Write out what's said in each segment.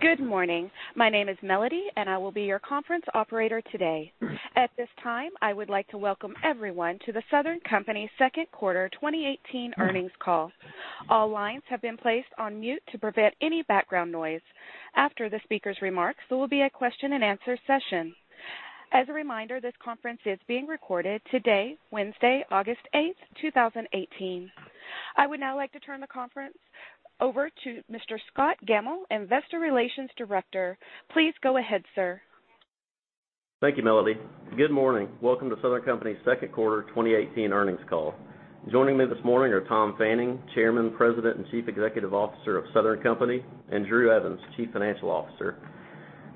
Good morning. My name is Melody, and I will be your conference operator today. At this time, I would like to welcome everyone to The Southern Company's second quarter 2018 earnings call. All lines have been placed on mute to prevent any background noise. After the speaker's remarks, there will be a question and answer session. As a reminder, this conference is being recorded today, Wednesday, August 8, 2018. I would now like to turn the conference over to Mr. Scott Gammill, Investor Relations Director. Please go ahead, sir. Thank you, Melody. Good morning. Welcome to Southern Company's second quarter 2018 earnings call. Joining me this morning are Tom Fanning, Chairman, President, and Chief Executive Officer of Southern Company, and Drew Evans, Chief Financial Officer.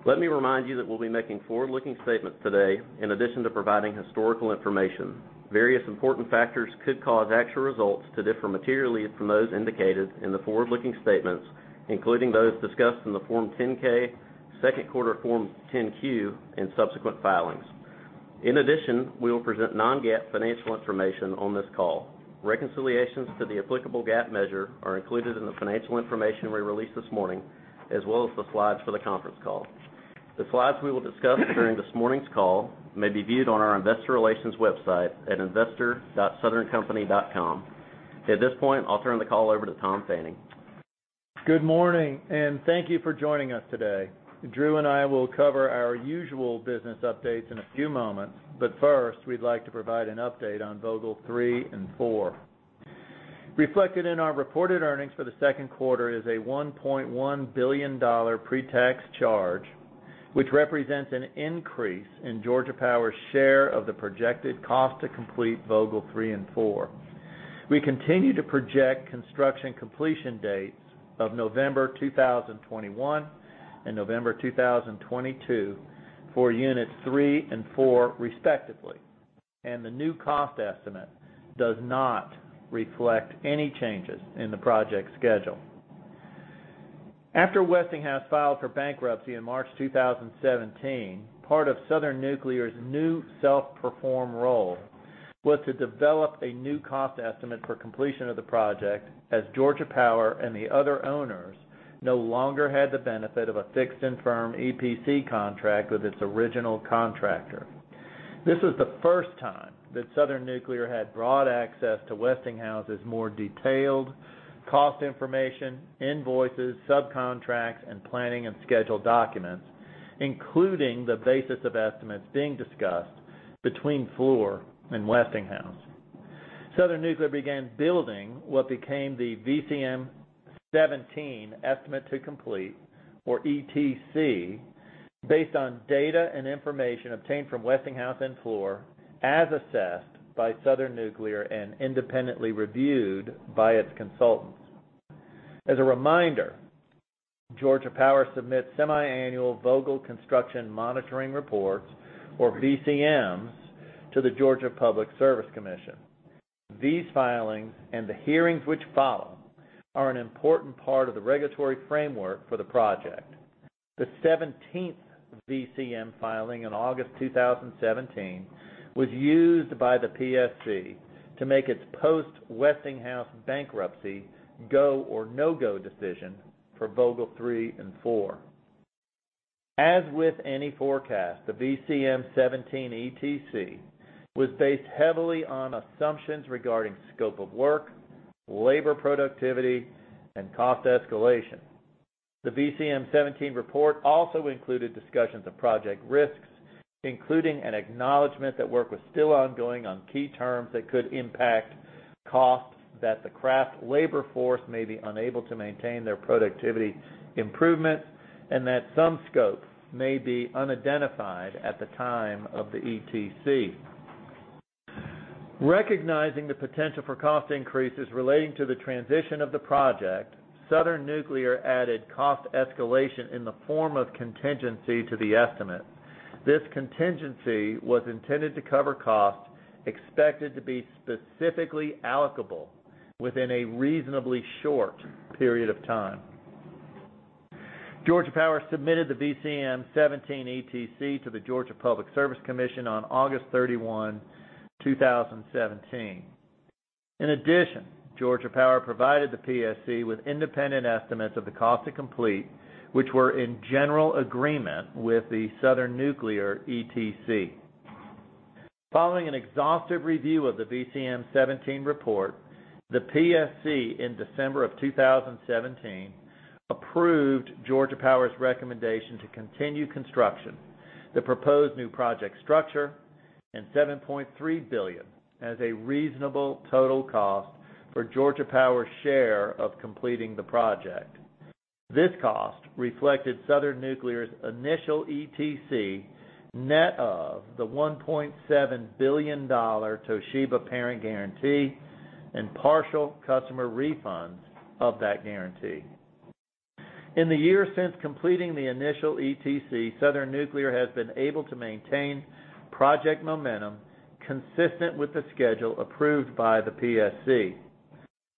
Let me remind you that we'll be making forward-looking statements today in addition to providing historical information. Various important factors could cause actual results to differ materially from those indicated in the forward-looking statements, including those discussed in the Form 10-K, second quarter Form 10-Q, and subsequent filings. In addition, we will present non-GAAP financial information on this call. Reconciliations to the applicable GAAP measure are included in the financial information we released this morning as well as the slides for the conference call. The slides we will discuss during this morning's call may be viewed on our investor relations website at investor.southerncompany.com. At this point, I'll turn the call over to Tom Fanning. Good morning, and thank you for joining us today. Drew and I will cover our usual business updates in a few moments, but first, we'd like to provide an update on Vogtle three and four. Reflected in our reported earnings for the second quarter is a $1.1 billion pre-tax charge, which represents an increase in Georgia Power's share of the projected cost to complete Vogtle three and four. We continue to project construction completion dates of November 2021 and November 2022 for units three and four respectively, and the new cost estimate does not reflect any changes in the project schedule. After Westinghouse filed for bankruptcy in March 2017, part of Southern Nuclear's new self-perform role was to develop a new cost estimate for completion of the project as Georgia Power and the other owners no longer had the benefit of a fixed and firm EPC contract with its original contractor. This is the first time that Southern Nuclear had broad access to Westinghouse's more detailed cost information, invoices, subcontracts, and planning and schedule documents, including the basis of estimates being discussed between Fluor and Westinghouse. Southern Nuclear began building what became the VCM 17 estimate to complete, or ETC, based on data and information obtained from Westinghouse and Fluor as assessed by Southern Nuclear and independently reviewed by its consultants. As a reminder, Georgia Power submits semi-annual Vogtle construction monitoring reports, or VCMs, to the Georgia Public Service Commission. These filings and the hearings which follow are an important part of the regulatory framework for the project. The 17th VCM filing in August 2017 was used by the PSC to make its post-Westinghouse bankruptcy go or no-go decision for Vogtle three and four. As with any forecast, the VCM 17 ETC was based heavily on assumptions regarding scope of work, labor productivity, and cost escalation. The VCM 17 report also included discussions of project risks, including an acknowledgement that work was still ongoing on key terms that could impact costs, that the craft labor force may be unable to maintain their productivity improvement, and that some scope may be unidentified at the time of the ETC. Recognizing the potential for cost increases relating to the transition of the project, Southern Nuclear added cost escalation in the form of contingency to the estimate. This contingency was intended to cover costs expected to be specifically allocable within a reasonably short period of time. Georgia Power submitted the VCM 17 ETC to the Georgia Public Service Commission on August 31, 2017. In addition, Georgia Power provided the PSC with independent estimates of the cost to complete, which were in general agreement with the Southern Nuclear ETC. Following an exhaustive review of the VCM 17 report, the PSC in December of 2017 approved Georgia Power's recommendation to continue construction, the proposed new project structure, and $7.3 billion as a reasonable total cost for Georgia Power's share of completing the project. This cost reflected Southern Nuclear's initial ETC net of the $1.7 billion Toshiba parent guarantee and partial customer refunds of that guarantee. In the year since completing the initial ETC, Southern Nuclear has been able to maintain project momentum consistent with the schedule approved by the PSC.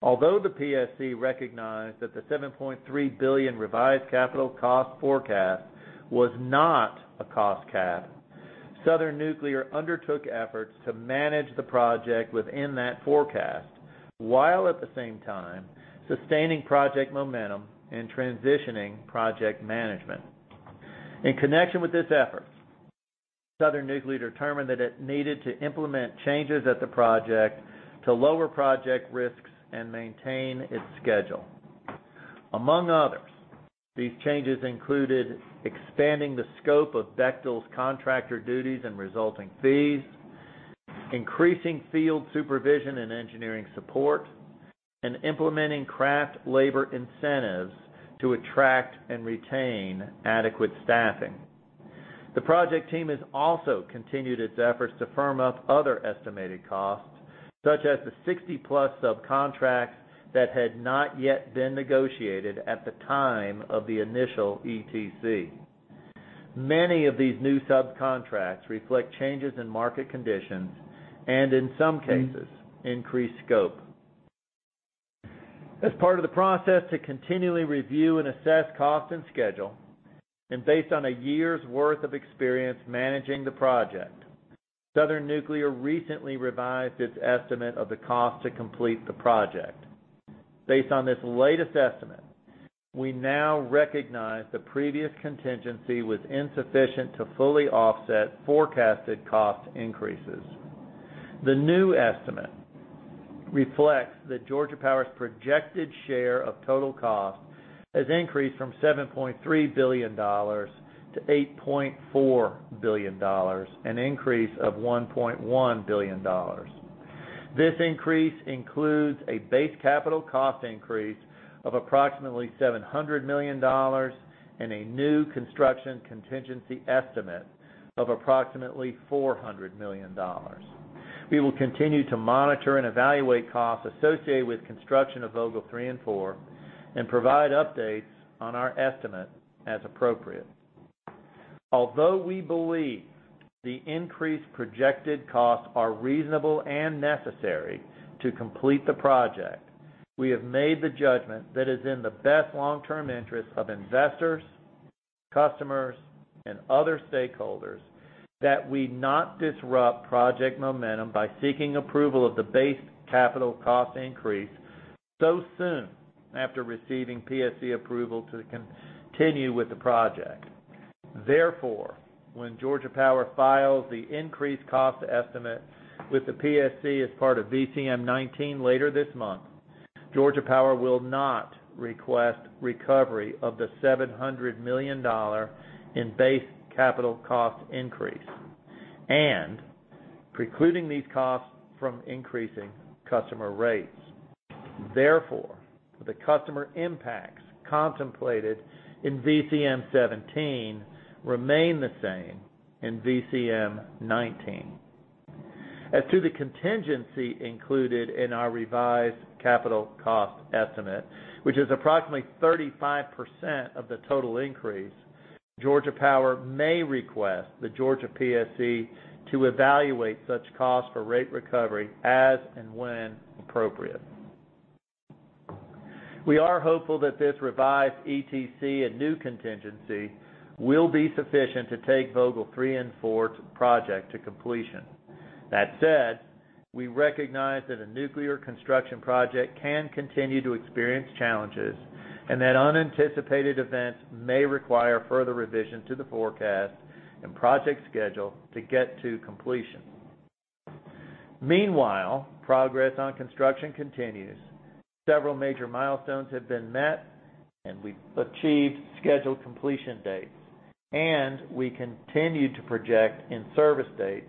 Although the PSC recognized that the $7.3 billion revised capital cost forecast was not a cost cap. Southern Nuclear undertook efforts to manage the project within that forecast, while at the same time sustaining project momentum and transitioning project management. In connection with this effort, Southern Nuclear determined that it needed to implement changes at the project to lower project risks and maintain its schedule. Among others, these changes included expanding the scope of Bechtel's contractor duties and resulting fees, increasing field supervision and engineering support, and implementing craft labor incentives to attract and retain adequate staffing. The project team has also continued its efforts to firm up other estimated costs, such as the 60-plus subcontracts that had not yet been negotiated at the time of the initial ETC. Many of these new subcontracts reflect changes in market conditions and, in some cases, increased scope. As part of the process to continually review and assess cost and schedule, and based on a year's worth of experience managing the project, Southern Nuclear recently revised its estimate of the cost to complete the project. Based on this latest estimate, we now recognize the previous contingency was insufficient to fully offset forecasted cost increases. The new estimate reflects that Georgia Power's projected share of total cost has increased from $7.3 billion to $8.4 billion, an increase of $1.1 billion. This increase includes a base capital cost increase of approximately $700 million and a new construction contingency estimate of approximately $400 million. We will continue to monitor and evaluate costs associated with construction of Vogtle 3 and 4, and provide updates on our estimate as appropriate. Although we believe the increased projected costs are reasonable and necessary to complete the project, we have made the judgment that it's in the best long-term interest of investors, customers, and other stakeholders that we not disrupt project momentum by seeking approval of the base capital cost increase so soon after receiving PSC approval to continue with the project. When Georgia Power files the increased cost estimate with the PSC as part of VCM 19 later this month, Georgia Power will not request recovery of the $700 million in base capital cost increase, and precluding these costs from increasing customer rates. The customer impacts contemplated in VCM 17 remain the same in VCM 19. As to the contingency included in our revised capital cost estimate, which is approximately 35% of the total increase, Georgia Power may request the Georgia PSC to evaluate such costs for rate recovery as and when appropriate. We are hopeful that this revised ETC and new contingency will be sufficient to take Vogtle 3 and 4's project to completion. That said, we recognize that a nuclear construction project can continue to experience challenges, and that unanticipated events may require further revisions to the forecast and project schedule to get to completion. Meanwhile, progress on construction continues. Several major milestones have been met, and we've achieved scheduled completion dates, and we continue to project in-service dates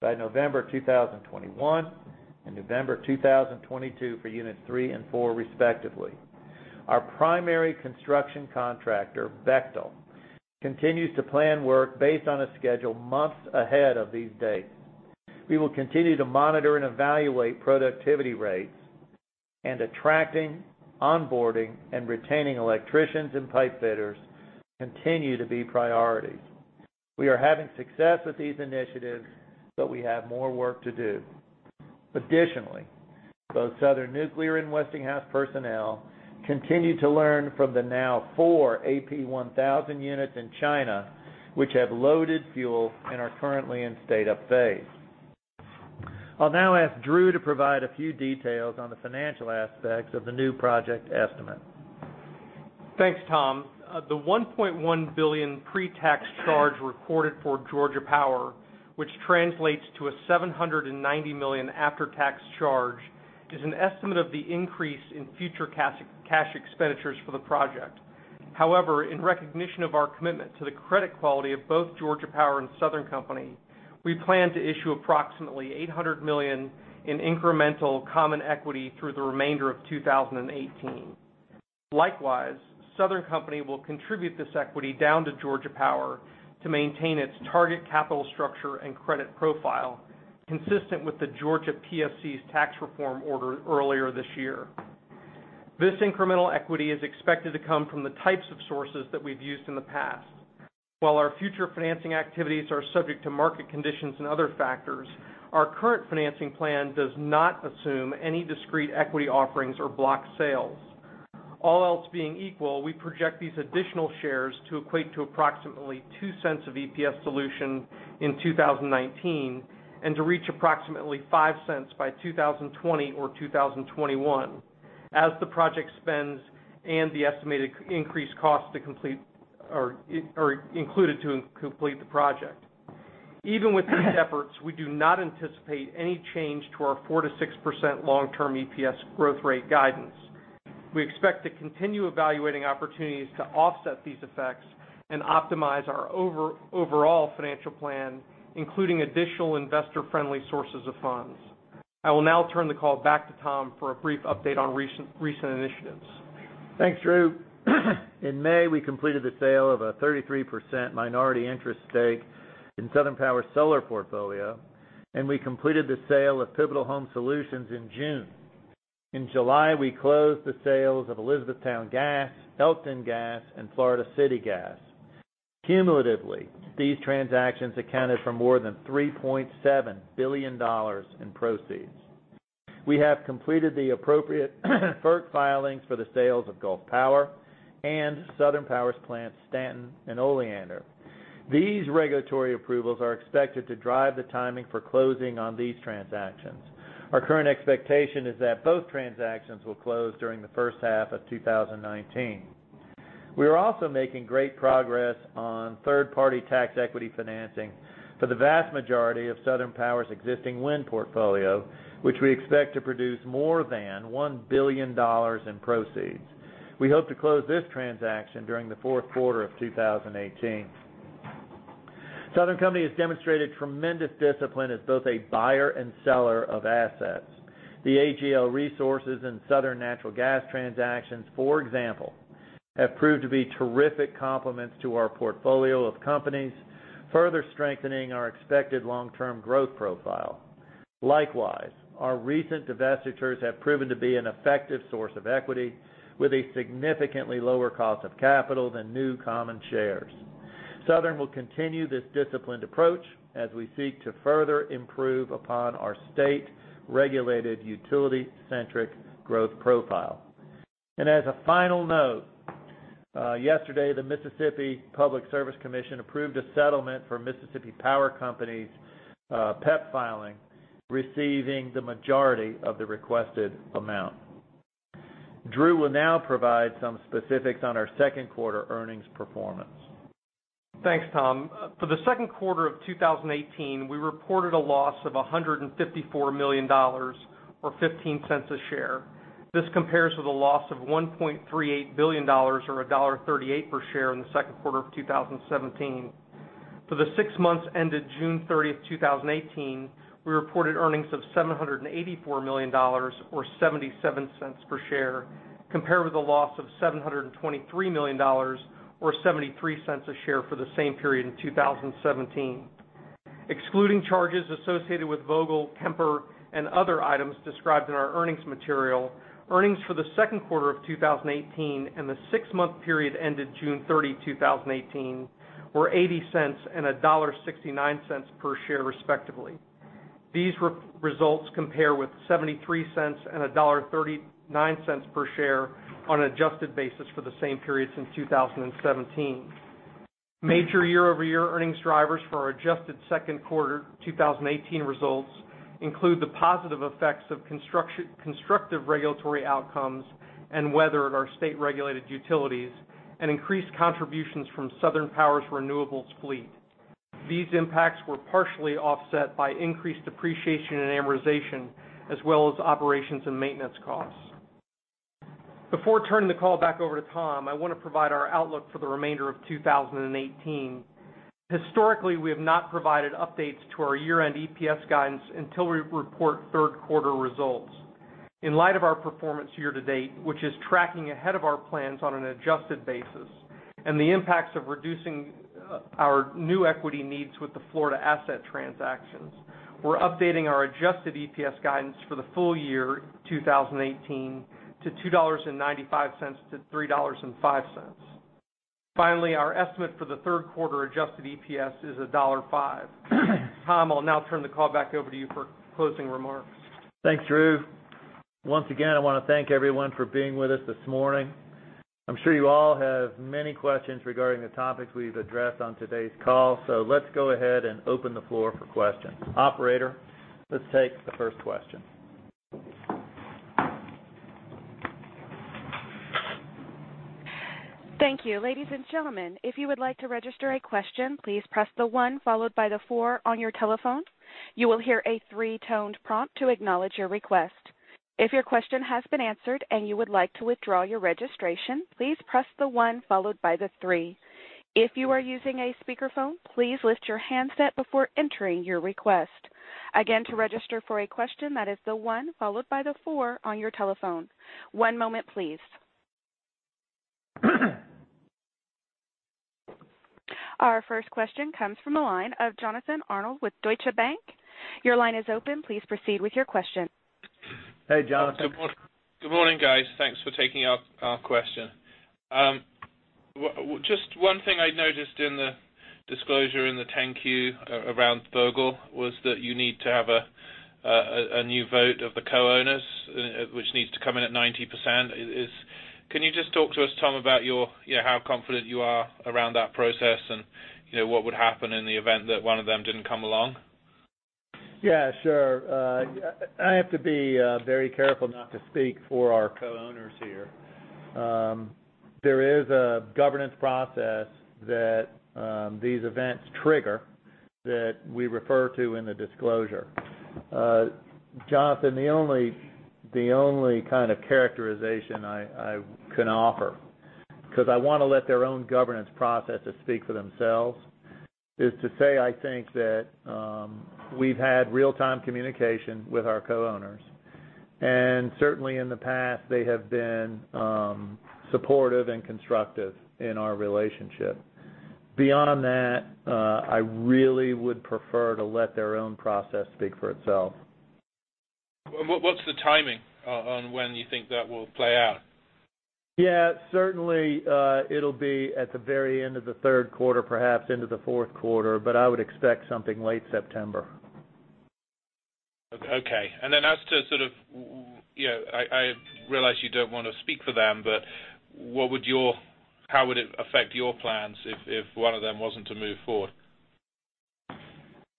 by November 2021 and November 2022 for units three and four, respectively. Our primary construction contractor, Bechtel, continues to plan work based on a schedule months ahead of these dates. We will continue to monitor and evaluate productivity rates, and attracting, onboarding, and retaining electricians and pipefitters continue to be priorities. We are having success with these initiatives, but we have more work to do. Additionally, both Southern Nuclear and Westinghouse personnel continue to learn from the now four AP1000 units in China, which have loaded fuel and are currently in start-up phase. I'll now ask Drew to provide a few details on the financial aspects of the new project estimate. Thanks, Tom. The $1.1 billion pre-tax charge recorded for Georgia Power, which translates to a $790 million after-tax charge, is an estimate of the increase in future cash expenditures for the project. However, in recognition of our commitment to the credit quality of both Georgia Power and Southern Company, we plan to issue approximately $800 million in incremental common equity through the remainder of 2018. Likewise, Southern Company will contribute this equity down to Georgia Power to maintain its target capital structure and credit profile, consistent with the Georgia PSC's tax reform order earlier this year. This incremental equity is expected to come from the types of sources that we've used in the past. While our future financing activities are subject to market conditions and other factors, our current financing plan does not assume any discrete equity offerings or block sales. All else being equal, we project these additional shares to equate to approximately $0.02 of EPS dilution in 2019, and to reach approximately $0.05 by 2020 or 2021. As the project spends and the estimated increased cost are included to complete the project. Even with these efforts, we do not anticipate any change to our 4%-6% long-term EPS growth rate guidance. We expect to continue evaluating opportunities to offset these effects and optimize our overall financial plan, including additional investor-friendly sources of funds. I will now turn the call back to Tom for a brief update on recent initiatives. Thanks, Drew. In May, we completed the sale of a 33% minority interest stake in Southern Power's solar portfolio, and we completed the sale of Pivotal Home Solutions in June. In July, we closed the sales of Elizabethtown Gas, Elkton Gas, and Florida City Gas. Cumulatively, these transactions accounted for more than $3.7 billion in proceeds. We have completed the appropriate FERC filings for the sales of Gulf Power and Southern Power's plant, Stanton and Oleander. These regulatory approvals are expected to drive the timing for closing on these transactions. Our current expectation is that both transactions will close during the first half of 2019. We are also making great progress on third-party tax equity financing for the vast majority of Southern Power's existing wind portfolio, which we expect to produce more than $1 billion in proceeds. We hope to close this transaction during the fourth quarter of 2018. Southern Company has demonstrated tremendous discipline as both a buyer and seller of assets. The AGL Resources and Southern Natural Gas transactions, for example, have proved to be terrific complements to our portfolio of companies, further strengthening our expected long-term growth profile. Likewise, our recent divestitures have proven to be an effective source of equity with a significantly lower cost of capital than new common shares. Southern will continue this disciplined approach as we seek to further improve upon our state-regulated utility-centric growth profile. As a final note, yesterday, the Mississippi Public Service Commission approved a settlement for Mississippi Power Company's PEP filing, receiving the majority of the requested amount. Drew will now provide some specifics on our second quarter earnings performance. Thanks, Tom. For the second quarter of 2018, we reported a loss of $154 million or $0.15 a share. This compares with a loss of $1.38 billion or $1.38 per share in the second quarter of 2017. For the six months ended June 30, 2018, we reported earnings of $784 million or $0.77 per share, compared with a loss of $723 million or $0.73 a share for the same period in 2017. Excluding charges associated with Vogtle, Kemper, and other items described in our earnings material, earnings for the second quarter of 2018 and the six-month period ended June 30, 2018 were $0.80 and $1.69 per share, respectively. These results compare with $0.73 and $1.39 per share on an adjusted basis for the same periods in 2017. Major year-over-year earnings drivers for our adjusted second quarter 2018 results include the positive effects of constructive regulatory outcomes and weather at our state-regulated utilities and increased contributions from Southern Power's renewables fleet. These impacts were partially offset by increased depreciation and amortization, as well as operations and maintenance costs. Before turning the call back over to Tom, I want to provide our outlook for the remainder of 2018. Historically, we have not provided updates to our year-end EPS guidance until we report third-quarter results. In light of our performance year-to-date, which is tracking ahead of our plans on an adjusted basis, and the impacts of reducing our new equity needs with the Florida asset transactions, we're updating our adjusted EPS guidance for the full year 2018 to $2.95-$3.05. Finally, our estimate for the third-quarter adjusted EPS is $1.05. Tom, I'll now turn the call back over to you for closing remarks. Thanks, Drew. Once again, I want to thank everyone for being with us this morning. I'm sure you all have many questions regarding the topics we've addressed on today's call, let's go ahead and open the floor for questions. Operator, let's take the first question. Thank you. Ladies and gentlemen, if you would like to register a question, please press the one followed by the four on your telephone. You will hear a three-toned prompt to acknowledge your request. If your question has been answered and you would like to withdraw your registration, please press the one followed by the three. If you are using a speakerphone, please lift your handset before entering your request. Again, to register for a question, that is the one followed by the four on your telephone. One moment, please. Our first question comes from the line of Jonathan Arnold with Deutsche Bank. Your line is open. Please proceed with your question. Hey, Jonathan. Good morning, guys. Thanks for taking our question. Just one thing I noticed in the disclosure in the 10-Q around Vogtle was that you need to have a new vote of the co-owners, which needs to come in at 90%. Can you just talk to us, Tom, about how confident you are around that process and what would happen in the event that one of them didn't come along? Yeah, sure. I have to be very careful not to speak for our co-owners here. There is a governance process that these events trigger that we refer to in the disclosure. Jonathan, the only kind of characterization I can offer, because I want to let their own governance processes speak for themselves, is to say, I think that we've had real-time communication with our co-owners. Certainly in the past, they have been supportive and constructive in our relationship. Beyond that, I really would prefer to let their own process speak for itself. What's the timing on when you think that will play out? Yeah, certainly, it will be at the very end of the third quarter, perhaps into the fourth quarter, but I would expect something late September. Then as to sort of, I realize you do not want to speak for them, but how would it affect your plans if one of them was not to move forward?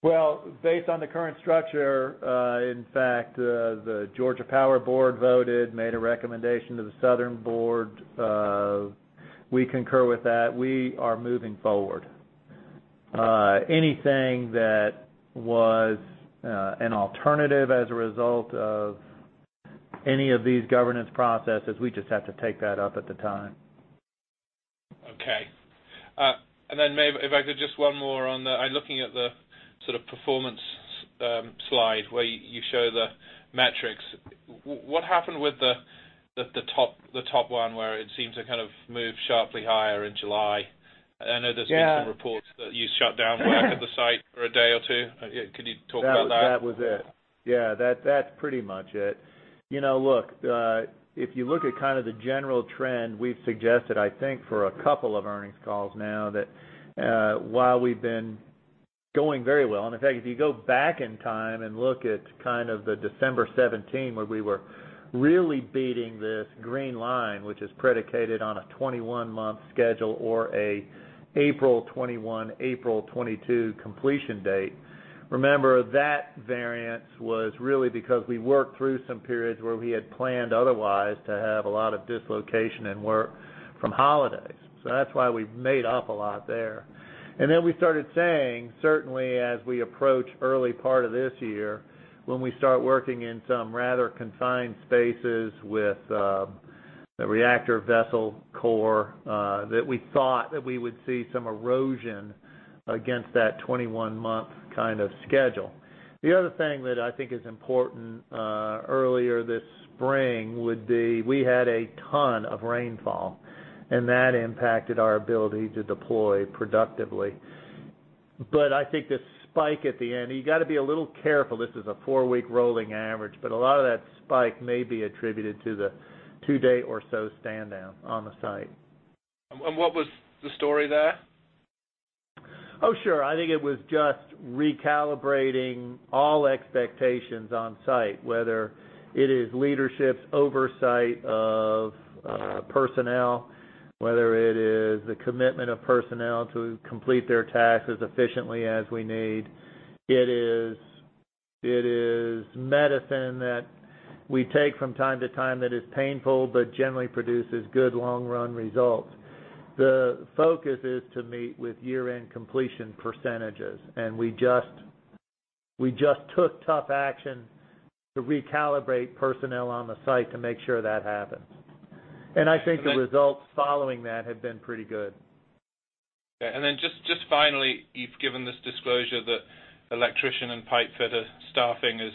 Well, based on the current structure, in fact, the Georgia Power Board voted, made a recommendation to the Southern Board. We concur with that. We are moving forward. Anything that was an alternative as a result of any of these governance processes, we just have to take that up at the time. Okay. Then maybe if I could, just one more on the I am looking at the sort of performance slide where you show the metrics. What happened with the top one where it seems to kind of move sharply higher in July? Yeah been some reports that you shut down work at the site for a day or two. Can you talk about that? That was it. Yeah, that's pretty much it. Look, if you look at kind of the general trend, we've suggested, I think for a couple of earnings calls now that while we've been doing very well, in fact, if you go back in time and look at kind of the December 2017 where we were really beating this green line, which is predicated on a 21-month schedule or an April 2021, April 2022 completion date. Remember, that variance was really because we worked through some periods where we had planned otherwise to have a lot of dislocation in work from holidays. That's why we've made up a lot there. Then we started saying, certainly as we approach early part of this year, when we start working in some rather confined spaces with the reactor vessel core, that we thought that we would see some erosion against that 21-month kind of schedule. The other thing that I think is important, earlier this spring would be we had a ton of rainfall, that impacted our ability to deploy productively. I think the spike at the end, you got to be a little careful. This is a four-week rolling average, but a lot of that spike may be attributed to the two-day or so stand-down on the site. What was the story there? Oh, sure. I think it was just recalibrating all expectations on site, whether it is leadership's oversight of personnel, whether it is the commitment of personnel to complete their tasks as efficiently as we need. It is medicine that we take from time to time that is painful but generally produces good long-run results. The focus is to meet with year-end completion percentages, and we just took tough action to recalibrate personnel on the site to make sure that happens. I think the results following that have been pretty good. Okay, just finally, you've given this disclosure that electrician and pipe fitter staffing is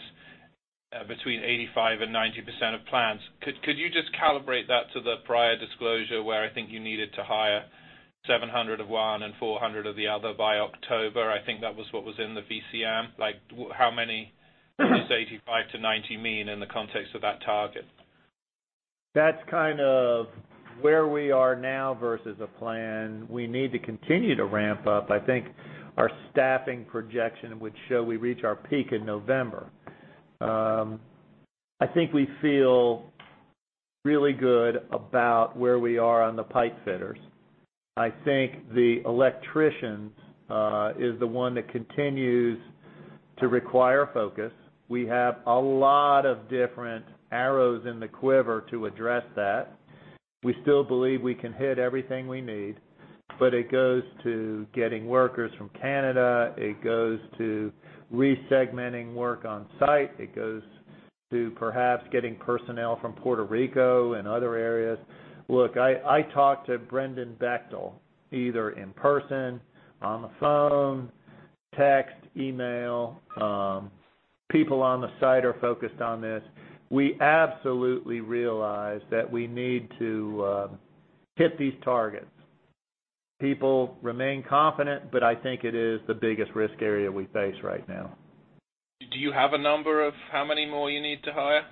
between 85% and 90% of plans. Could you just calibrate that to the prior disclosure where I think you needed to hire 700 of one and 400 of the other by October? I think that was what was in the VCM. How many does 85%-90% mean in the context of that target? That's kind of where we are now versus a plan. We need to continue to ramp up. I think our staffing projection would show we reach our peak in November. I think we feel really good about where we are on the pipe fitters. I think the electricians is the one that continues to require focus. We have a lot of different arrows in the quiver to address that. We still believe we can hit everything we need, but it goes to getting workers from Canada. It goes to re-segmenting work on site. It goes to perhaps getting personnel from Puerto Rico and other areas. Look, I talk to Brendan Bechtel either in person, on the phone, text, email. People on the site are focused on this. We absolutely realize that we need to hit these targets. People remain confident, but I think it is the biggest risk area we face right now. Do you have a number of how many more you need to hire?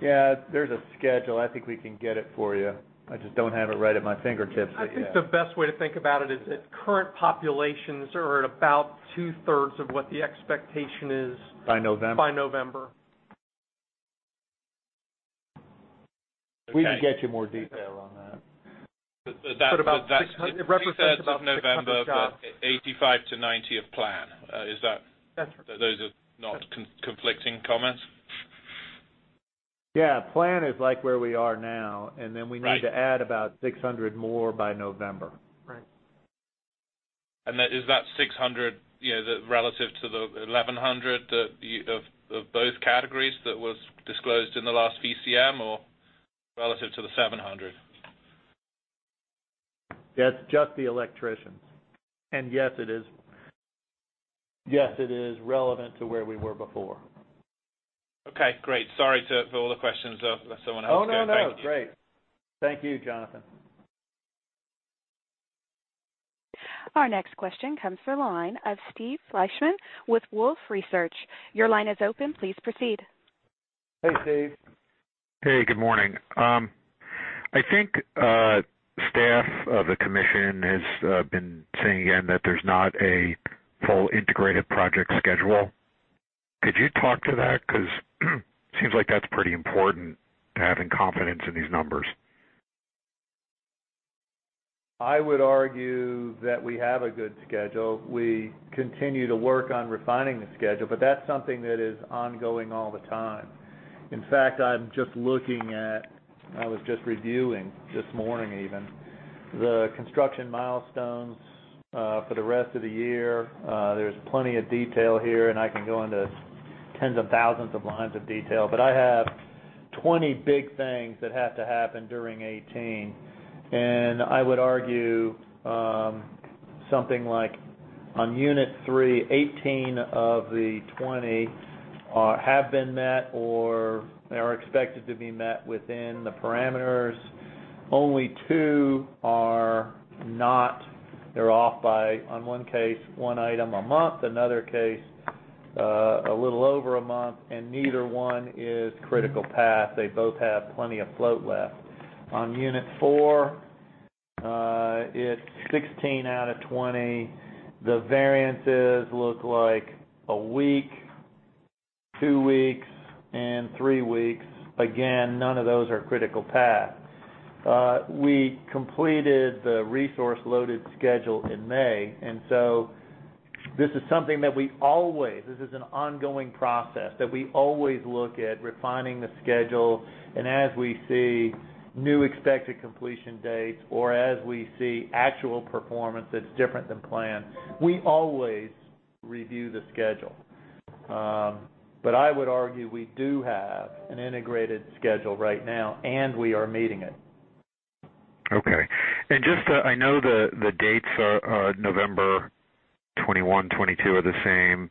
Yeah, there's a schedule. I think we can get it for you. I just don't have it right at my fingertips. I think the best way to think about it is that current populations are at about two-thirds of what the expectation is. By November? By November. We can get you more detail on that. It represents about 600 jobs. Two-thirds of November, 85 to 90 of plan. Is that? That's right. Those are not conflicting comments? Yeah. Plan is like where we are now, we need- Right to add about 600 more by November. Right. Is that 600 relative to the 1,100 of both categories that was disclosed in the last VCM, or relative to the 700? That's just the electricians. Yes, it is relevant to where we were before. Okay, great. Sorry for all the questions. Unless someone else go. Thank you. Oh, no. Great. Thank you, Jonathan. Our next question comes from the line of Steve Fleishman with Wolfe Research. Your line is open. Please proceed. Hey, Steve. Hey, good morning. I think, staff of the commission has been saying again that there's not a full integrated project schedule. Could you talk to that? Seems like that's pretty important to having confidence in these numbers. I would argue that we have a good schedule. We continue to work on refining the schedule, that's something that is ongoing all the time. In fact, I was just reviewing this morning even, the construction milestones for the rest of the year. There's plenty of detail here, I can go into tens of thousands of lines of detail. I have 20 big things that have to happen during 2018. I would argue, something like on unit 3, 18 of the 20 have been met or they are expected to be met within the parameters. Only two are not. They're off by, on one case, one item a month. Another case, a little over a month, neither one is critical path. They both have plenty of float left. On unit 4, it's 16 out of 20. The variances look like a week, two weeks, and three weeks. None of those are critical path. We completed the resource-loaded schedule in May, this is an ongoing process that we always look at refining the schedule. As we see new expected completion dates or as we see actual performance that's different than planned, we always review the schedule. I would argue we do have an integrated schedule right now, and we are meeting it. Okay. I know the dates are November 2021, 2022 are the same.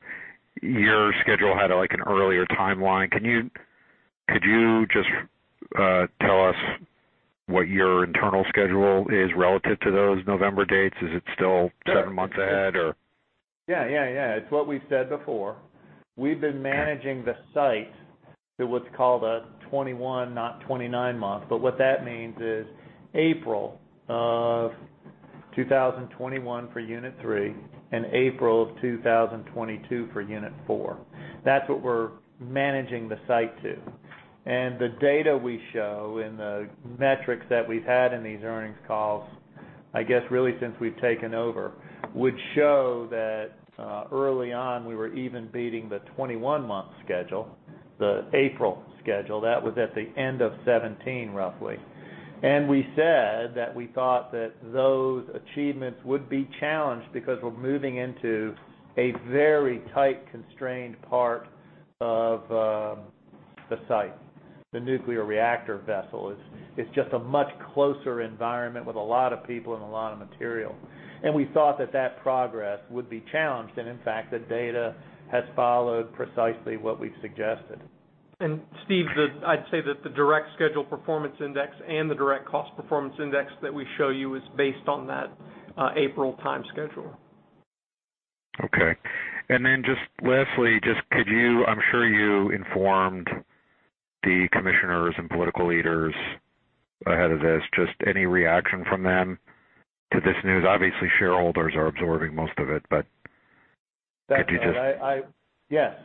Your schedule had an earlier timeline. Could you just tell us what your internal schedule is relative to those November dates? Is it still seven months ahead? Yeah. It's what we've said before. We've been managing the site to what's called a 21, not 29 month. What that means is April of 2021 for unit 3 and April of 2022 for unit 4. That's what we're managing the site to. The data we show and the metrics that we've had in these earnings calls, I guess really since we've taken over, would show that early on we were even beating the 21-month schedule, the April schedule. That was at the end of 2017, roughly. We said that we thought that those achievements would be challenged because we're moving into a very tight, constrained part of the site. The nuclear reactor vessel is just a much closer environment with a lot of people and a lot of material. We thought that that progress would be challenged, and in fact, the data has followed precisely what we've suggested. Steve, I'd say that the direct schedule performance index and the direct cost performance index that we show you is based on that April time schedule. Okay. Then just lastly, I'm sure you informed the commissioners and political leaders ahead of this, just any reaction from them to this news? Obviously, shareholders are absorbing most of it, but could you just- Yes.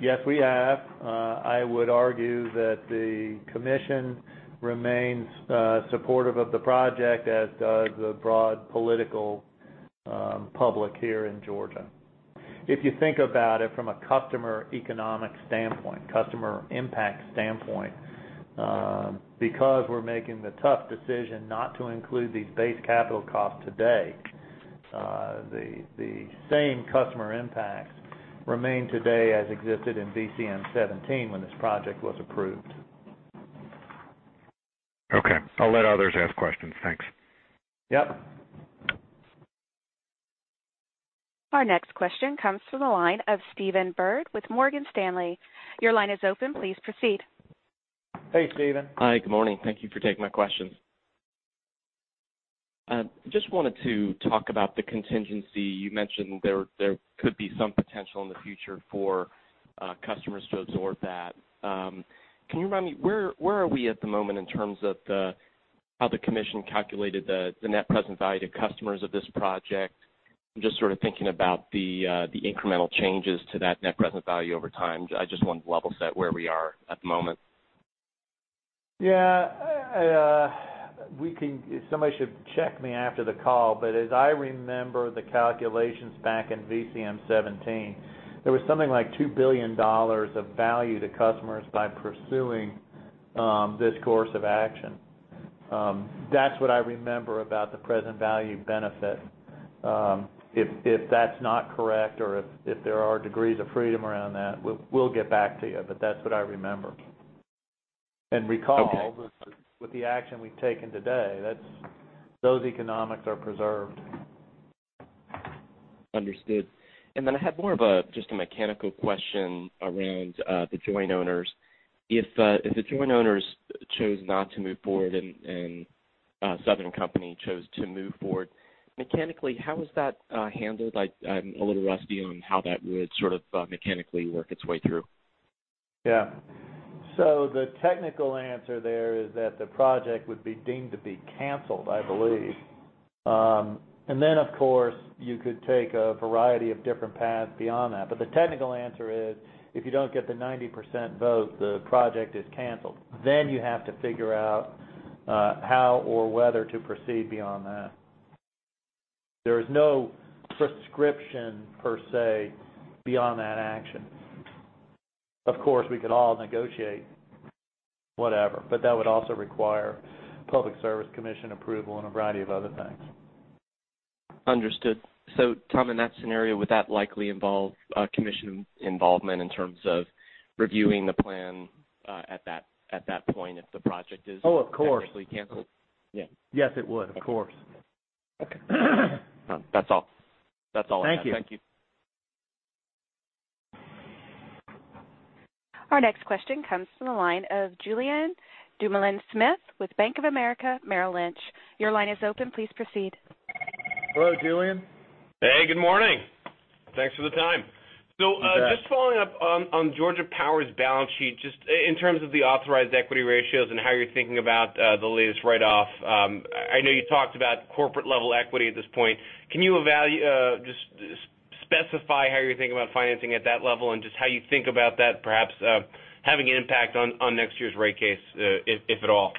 Yes, we have. I would argue that the commission remains supportive of the project, as does the broad political public here in Georgia. If you think about it from a customer economic standpoint, customer impact standpoint, because we're making the tough decision not to include these base capital costs today, the same customer impacts remain today as existed in VCM 17 when this project was approved. Okay. I'll let others ask questions. Thanks. Yep. Our next question comes from the line of Stephen Byrd with Morgan Stanley. Your line is open. Please proceed. Hey, Stephen. Hi. Good morning. Thank you for taking my questions. I just wanted to talk about the contingency. You mentioned there could be some potential in the future for customers to absorb that. Can you remind me, where are we at the moment in terms of how the commission calculated the net present value to customers of this project? I'm just sort of thinking about the incremental changes to that net present value over time. I just wanted to level set where we are at the moment. Yeah. Somebody should check me after the call, but as I remember the calculations back in VCM 17, there was something like $2 billion of value to customers by pursuing this course of action. That's what I remember about the present value benefit. If that's not correct or if there are degrees of freedom around that, we'll get back to you, but that's what I remember. Okay. Recall, with the action we've taken today, those economics are preserved. Understood. Then I had more of a just a mechanical question around the joint owners. If the joint owners chose not to move forward and Southern Company chose to move forward, mechanically, how is that handled? I'm a little rusty on how that would sort of mechanically work its way through. Yeah. The technical answer there is that the project would be deemed to be canceled, I believe. Then, of course, you could take a variety of different paths beyond that. The technical answer is if you don't get the 90% vote, the project is canceled. You have to figure out how or whether to proceed beyond that. There is no prescription, per se, beyond that action. Of course, we could all negotiate whatever, but that would also require Public Service Commission approval and a variety of other things. Understood. Tom, in that scenario, would that likely involve Commission involvement in terms of reviewing the plan at that point if the project is canceled? Oh, of course technically canceled? Yeah. Yes, it would. Of course. Okay. That's all. That's all I have. Thank you. Thank you. Our next question comes from the line of Julien Dumoulin-Smith with Bank of America Merrill Lynch. Your line is open. Please proceed. Hello, Julien. Hey, good morning. Thanks for the time. You bet. Just following up on Georgia Power's balance sheet, just in terms of the authorized equity ratios and how you're thinking about the latest write-off. I know you talked about corporate-level equity at this point. Can you just specify how you're thinking about financing at that level and just how you think about that perhaps having an impact on next year's rate case, if at all?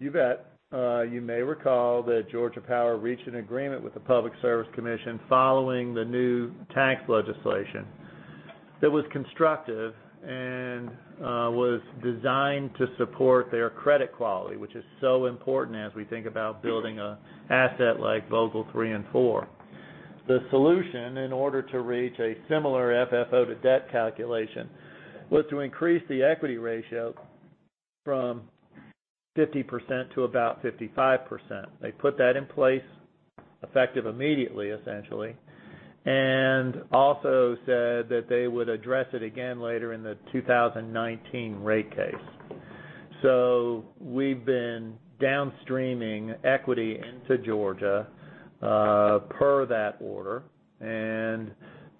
You bet. You may recall that Georgia Power reached an agreement with the Public Service Commission following the new tax legislation that was constructive and was designed to support their credit quality, which is so important as we think about building an asset like Vogtle 3 and 4. The solution, in order to reach a similar FFO to debt calculation, was to increase the equity ratio from 50% to about 55%. They put that in place effective immediately, essentially, and also said that they would address it again later in the 2019 rate case. We've been downstreaming equity into Georgia, per that order, and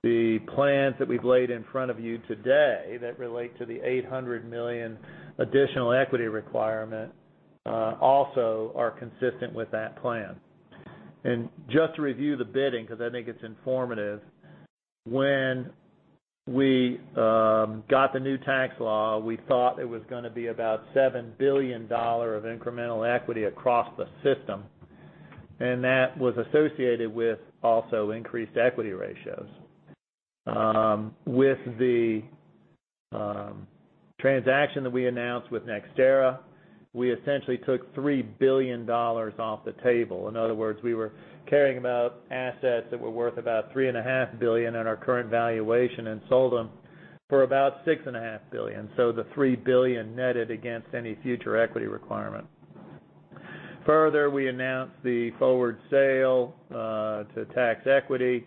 the plans that we've laid in front of you today that relate to the $800 million additional equity requirement, also are consistent with that plan. Just to review the bidding, because I think it's informative. When we got the new tax law, we thought it was going to be about $7 billion of incremental equity across the system, and that was associated with also increased equity ratios. With the transaction that we announced with NextEra, we essentially took $3 billion off the table. In other words, we were carrying about assets that were worth about $3.5 billion in our current valuation and sold them for about $6.5 billion. So the $3 billion netted against any future equity requirement. Further, we announced the forward sale to tax equity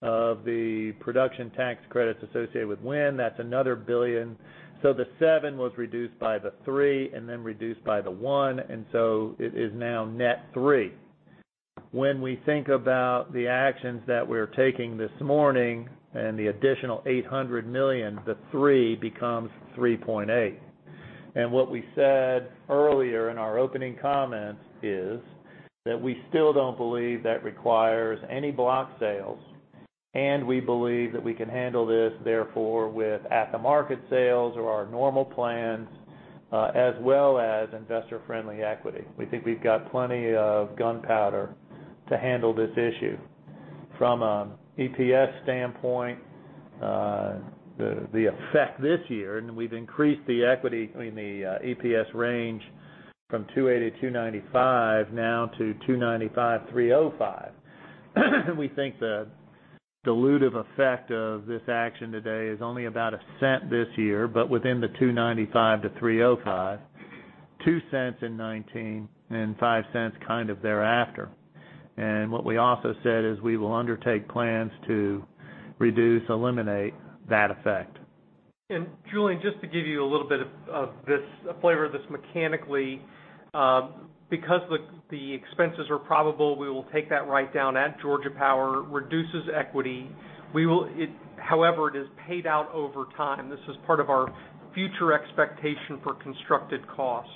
of the production tax credits associated with wind. That's another $1 billion. So the $7 billion was reduced by the $3 billion and then reduced by the $1 billion, and so it is now net $3 billion. When we think about the actions that we're taking this morning and the additional $800 million, the $3 billion becomes $3.8 billion. What we said earlier in our opening comments is that we still don't believe that requires any block sales, and we believe that we can handle this, therefore, with at-the-market sales or our normal plans, as well as investor-friendly equity. We think we've got plenty of gunpowder to handle this issue. From an EPS standpoint, the effect this year, and we've increased the equity in the EPS range from $2.80 to $2.95 now to $2.95, $3.05. We think the dilutive effect of this action today is only about $0.01 this year, but within the $2.95 to $3.05. $0.02 in 2019, and $0.05 kind of thereafter. What we also said is we will undertake plans to reduce, eliminate that effect. Julien, just to give you a little bit of a flavor of this mechanically. Because the expenses are probable, we will take that write-down at Georgia Power, reduces equity. However, it is paid out over time. This is part of our future expectation for constructed costs.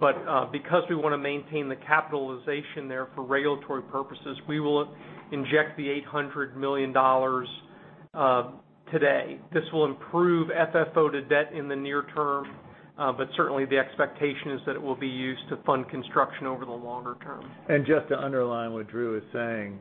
But because we want to maintain the capitalization there for regulatory purposes, we will inject the $800 million today. This will improve FFO to debt in the near term. But certainly, the expectation is that it will be used to fund construction over the longer term. Just to underline what Drew is saying,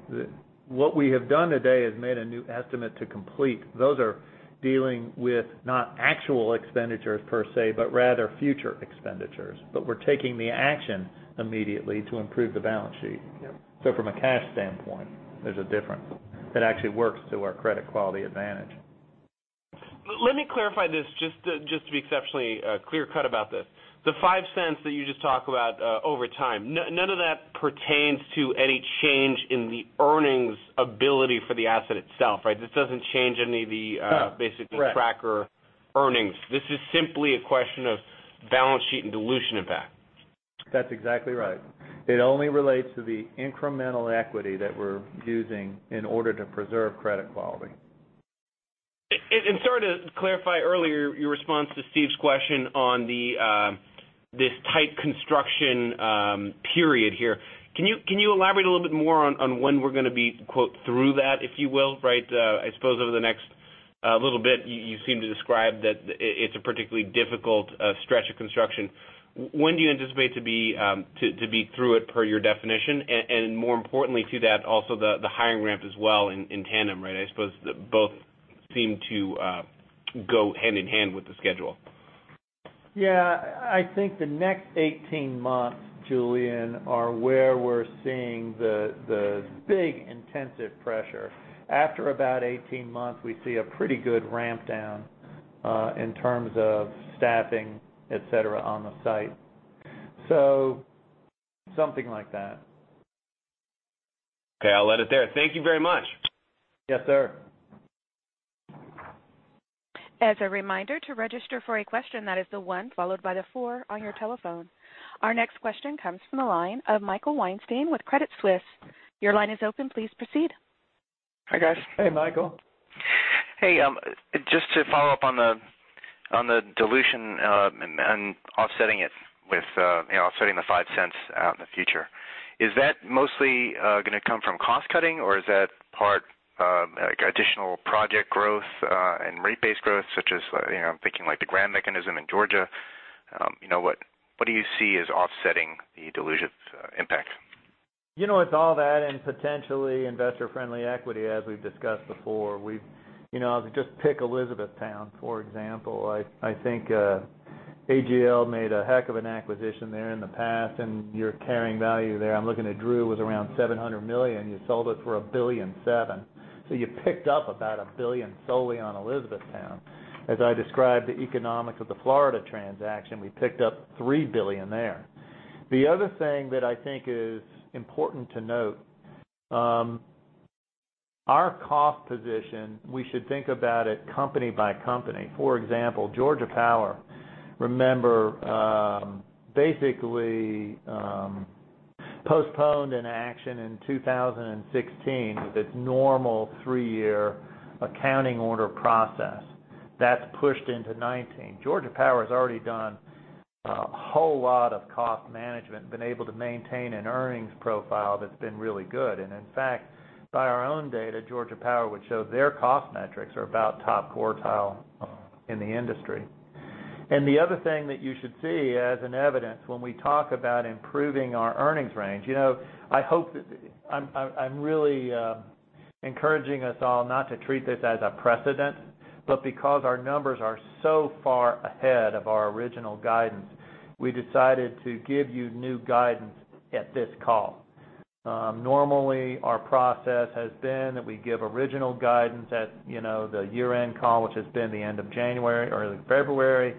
what we have done today is made a new estimate to complete. Those are dealing with not actual expenditures per se, but rather future expenditures. But we're taking the action immediately to improve the balance sheet. Yep. From a cash standpoint, there's a difference that actually works to our credit quality advantage. Let me clarify this just to be exceptionally clear-cut about this. The $0.05 that you just talked about over time, none of that pertains to any change in the earnings ability for the asset itself, right? This doesn't change any of the- No. Correct. Basically tracker earnings. This is simply a question of balance sheet and dilution impact. That's exactly right. It only relates to the incremental equity that we're using in order to preserve credit quality. Sorry to clarify earlier, your response to Steve's question on this tight construction period here. Can you elaborate a little bit more on when we're going to be "through that," if you will? I suppose over the next little bit, you seem to describe that it's a particularly difficult stretch of construction. When do you anticipate to be through it per your definition? More importantly to that, also the hiring ramp as well in tandem. I suppose both seem to go hand-in-hand with the schedule. Yeah. I think the next 18 months, Julien, are where we're seeing the big intensive pressure. After about 18 months, we see a pretty good ramp down in terms of staffing, et cetera, on the site. Something like that. Okay. I'll let it there. Thank you very much. Yes, sir. As a reminder, to register for a question, that is the one followed by the four on your telephone. Our next question comes from the line of Michael Weinstein with Credit Suisse. Your line is open. Please proceed. Hi, guys. Hey, Michael. Hey. Just to follow up on the dilution and offsetting the $0.05 out in the future. Is that mostly going to come from cost-cutting, or is that part additional project growth and rate base growth, such as I'm thinking like the GRID mechanism in Georgia? What do you see as offsetting the dilution impact? It's all that and potentially investor-friendly equity, as we've discussed before. I'll just pick Elizabethtown, for example. I think AGL made a heck of an acquisition there in the past, and your carrying value there, I'm looking at Drew, was around $700 million. You sold it for $1.7 billion. You picked up about $1 billion solely on Elizabethtown. As I described the economics of the Florida transaction, we picked up $3 billion there. The other thing that I think is important to note. Our cost position, we should think about it company by company. For example, Georgia Power, remember, basically postponed an action in 2016 with its normal three-year accounting order process. That's pushed into 2019. Georgia Power has already done a whole lot of cost management, been able to maintain an earnings profile that's been really good. In fact, by our own data, Georgia Power would show their cost metrics are about top quartile in the industry. The other thing that you should see as an evidence when we talk about improving our earnings range, I'm really encouraging us all not to treat this as a precedent, but because our numbers are so far ahead of our original guidance, we decided to give you new guidance at this call. Normally, our process has been that we give original guidance at the year-end call, which has been the end of January, early February.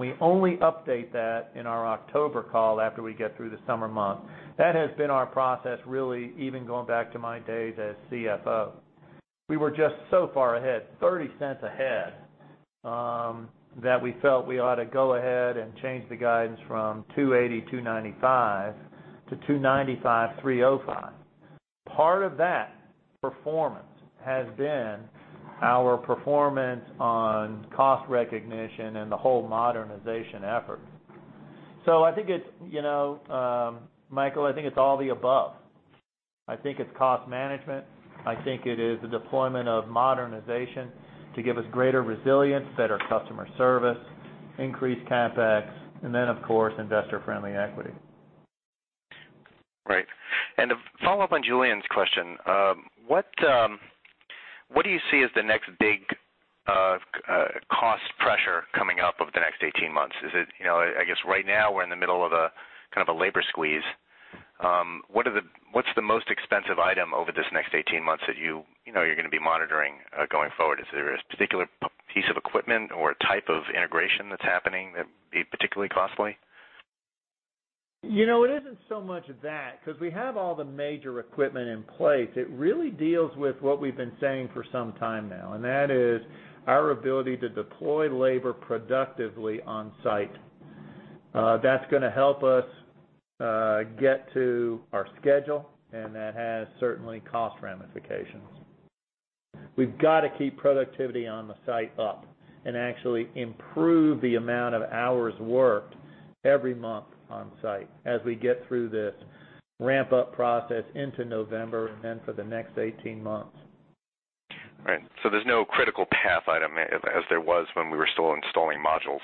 We only update that in our October call after we get through the summer month. That has been our process, really, even going back to my days as CFO. We were just so far ahead, $0.30 ahead, that we felt we ought to go ahead and change the guidance from $2.80-$2.95 to $2.95-$3.05. Part of that performance has been our performance on cost recognition and the whole modernization effort. Michael, I think it's all the above. I think it's cost management. I think it is the deployment of modernization to give us greater resilience, better customer service, increased CapEx, and then, of course, investor-friendly equity. Right. To follow up on Julien's question, what do you see as the next big cost pressure coming up over the next 18 months? I guess right now we're in the middle of a kind of a labor squeeze. What's the most expensive item over this next 18 months that you're going to be monitoring going forward? Is there a particular piece of equipment or type of integration that's happening that'd be particularly costly? It isn't so much that, because we have all the major equipment in place. It really deals with what we've been saying for some time now, and that is our ability to deploy labor productively on site. That's going to help us get to our schedule, and that has certainly cost ramifications. We've got to keep productivity on the site up and actually improve the amount of hours worked every month on site as we get through this ramp-up process into November and then for the next 18 months. Right. There's no critical path item as there was when we were still installing modules?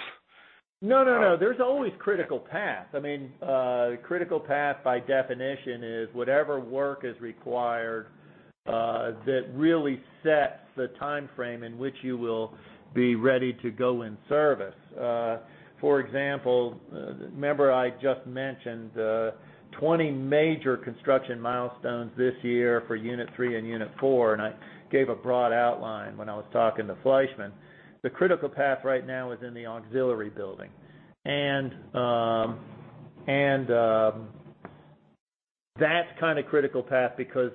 No. There's always critical path. Critical path by definition is whatever work is required that really sets the timeframe in which you will be ready to go in service. For example, remember I just mentioned 20 major construction milestones this year for unit 3 and unit 4, and I gave a broad outline when I was talking to Fleishman. The critical path right now is in the auxiliary building. That's kind of critical path because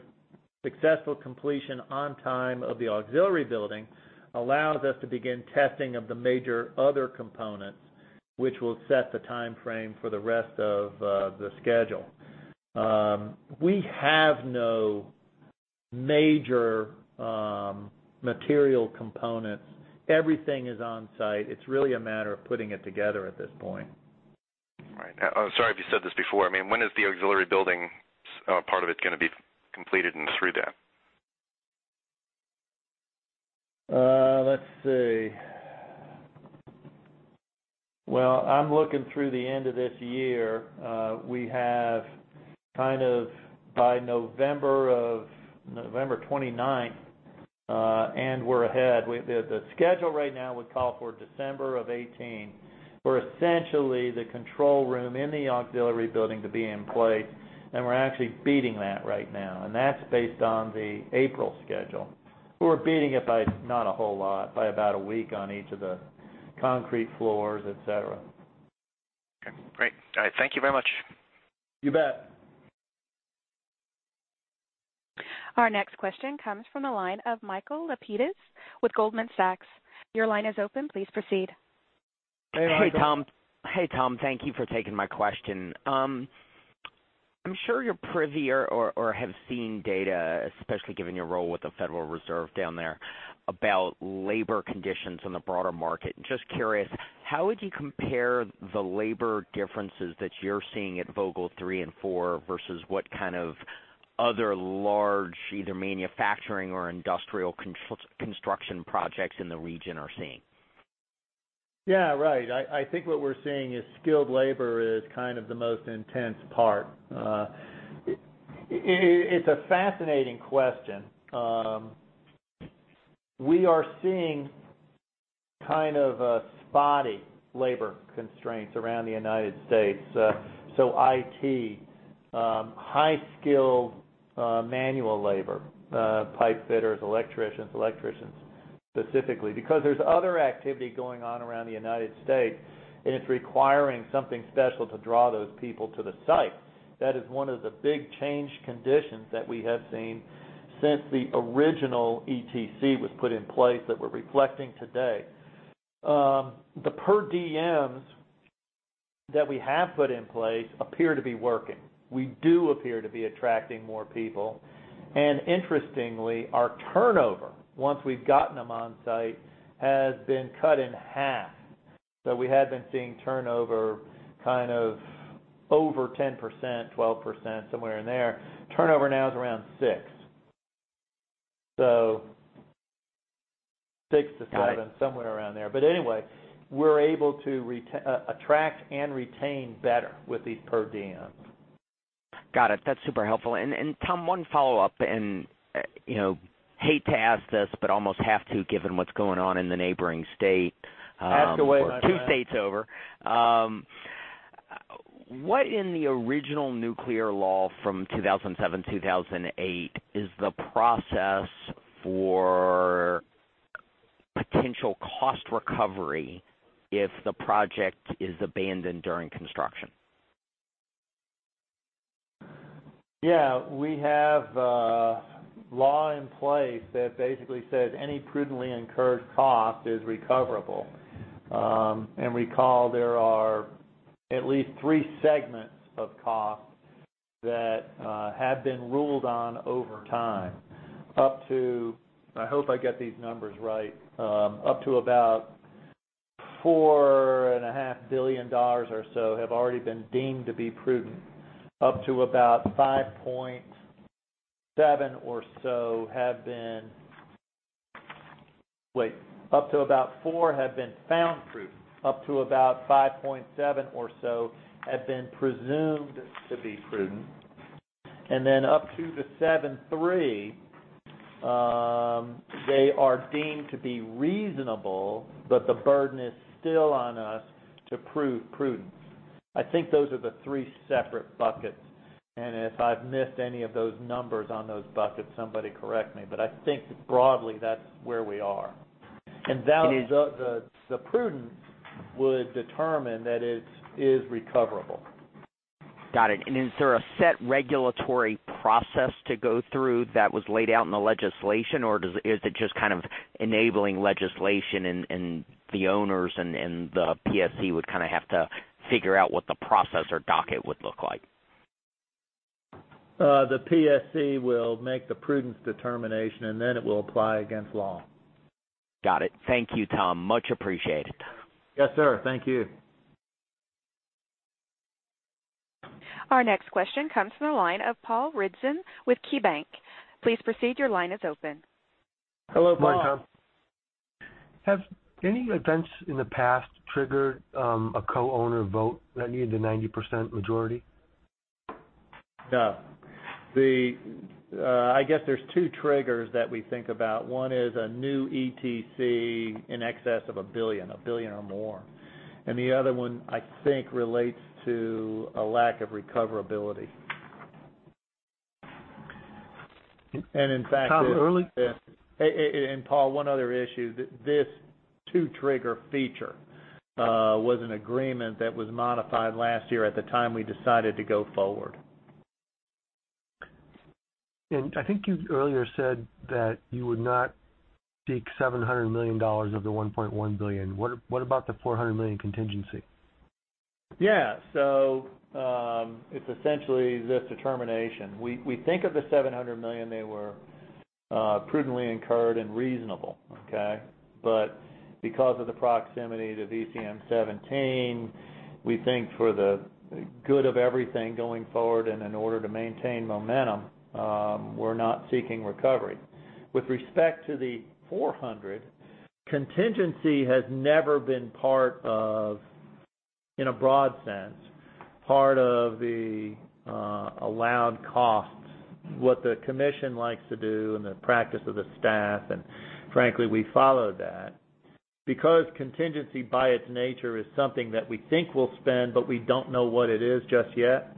successful completion on time of the auxiliary building allows us to begin testing of the major other components, which will set the timeframe for the rest of the schedule. We have no major material components. Everything is on site. It's really a matter of putting it together at this point. Right. Sorry if you said this before. When is the auxiliary building, part of it, going to be completed in three then? Let's see. Well, I'm looking through the end of this year. We have kind of by November 29th. We're ahead. The schedule right now would call for December of 2018 for essentially the control room in the auxiliary building to be in place. We're actually beating that right now. That's based on the April schedule. We're beating it by not a whole lot, by about a week on each of the concrete floors, et cetera. Okay, great. All right. Thank you very much. You bet. Our next question comes from the line of Michael Lapides with Goldman Sachs. Your line is open. Please proceed. Hey, Michael. Hey, Tom. Thank you for taking my question. I'm sure you're privy or have seen data, especially given your role with the Federal Reserve down there, about labor conditions in the broader market. Just curious, how would you compare the labor differences that you're seeing at Vogtle three and four versus what kind of other large, either manufacturing or industrial construction projects in the region are seeing? Yeah, right. I think what we're seeing is skilled labor is kind of the most intense part. It's a fascinating question. We are seeing kind of spotty labor constraints around the United States. IT, high skilled manual labor, pipe fitters, electricians, specifically. There's other activity going on around the United States, and it's requiring something special to draw those people to the site. That is one of the big change conditions that we have seen since the original ETC was put in place that we're reflecting today. The per diems that we have put in place appear to be working. We do appear to be attracting more people. Interestingly, our turnover, once we've gotten them on site, has been cut in half. We had been seeing turnover kind of over 10%, 12%, somewhere in there. Turnover now is around six. Got it somewhere around there. Anyway, we're able to attract and retain better with these per diems. Got it. That's super helpful. Tom, one follow-up, and hate to ask this, but almost have to given what's going on in the neighboring state. Ask away two states over. What in the original nuclear law from 2007, 2008 is the process for potential cost recovery if the project is abandoned during construction? Yeah. We have a law in place that basically says any prudently incurred cost is recoverable. Recall, there are at least three segments of cost that have been ruled on over time, up to I hope I get these numbers right. Up to about $4.5 billion or so have already been deemed to be prudent. Up to about $5.7 or so have been Wait. Up to about $4 have been found prudent. Up to about $5.7 or so have been presumed to be prudent. Then up to the $7.3, they are deemed to be reasonable, but the burden is still on us to prove prudence. I think those are the three separate buckets. If I've missed any of those numbers on those buckets, somebody correct me. I think broadly, that's where we are. The prudence would determine that it is recoverable. Got it. Is there a set regulatory process to go through that was laid out in the legislation, or is it just kind of enabling legislation and the owners and the PSC would kind of have to figure out what the process or docket would look like? The PSC will make the prudence determination, and then it will apply against law. Got it. Thank you, Tom. Much appreciated. Yes, sir. Thank you. Our next question comes from the line of Paul Ridzon with KeyBanc Capital Markets. Please proceed. Your line is open. Hello, Paul. Hi, Tom. Have any events in the past triggered a co-owner vote that needed the 90% majority? No. I guess there's two triggers that we think about. One is a new ETC in excess of $1 billion, $1 billion or more. The other one, I think, relates to a lack of recoverability. Tom. Paul, one other issue, this two trigger feature, was an agreement that was modified last year at the time we decided to go forward. I think you earlier said that you would not seek $700 million of the $1.1 billion. What about the $400 million contingency? It's essentially this determination. We think of the $700 million they were prudently incurred and reasonable. Okay. Because of the proximity to VCM 17, we think for the good of everything going forward and in order to maintain momentum, we're not seeking recovery. With respect to the $400, contingency has never been part of, in a broad sense, part of the allowed costs. What the commission likes to do and the practice of the staff, and frankly, we follow that. Contingency by its nature is something that we think we'll spend, but we don't know what it is just yet,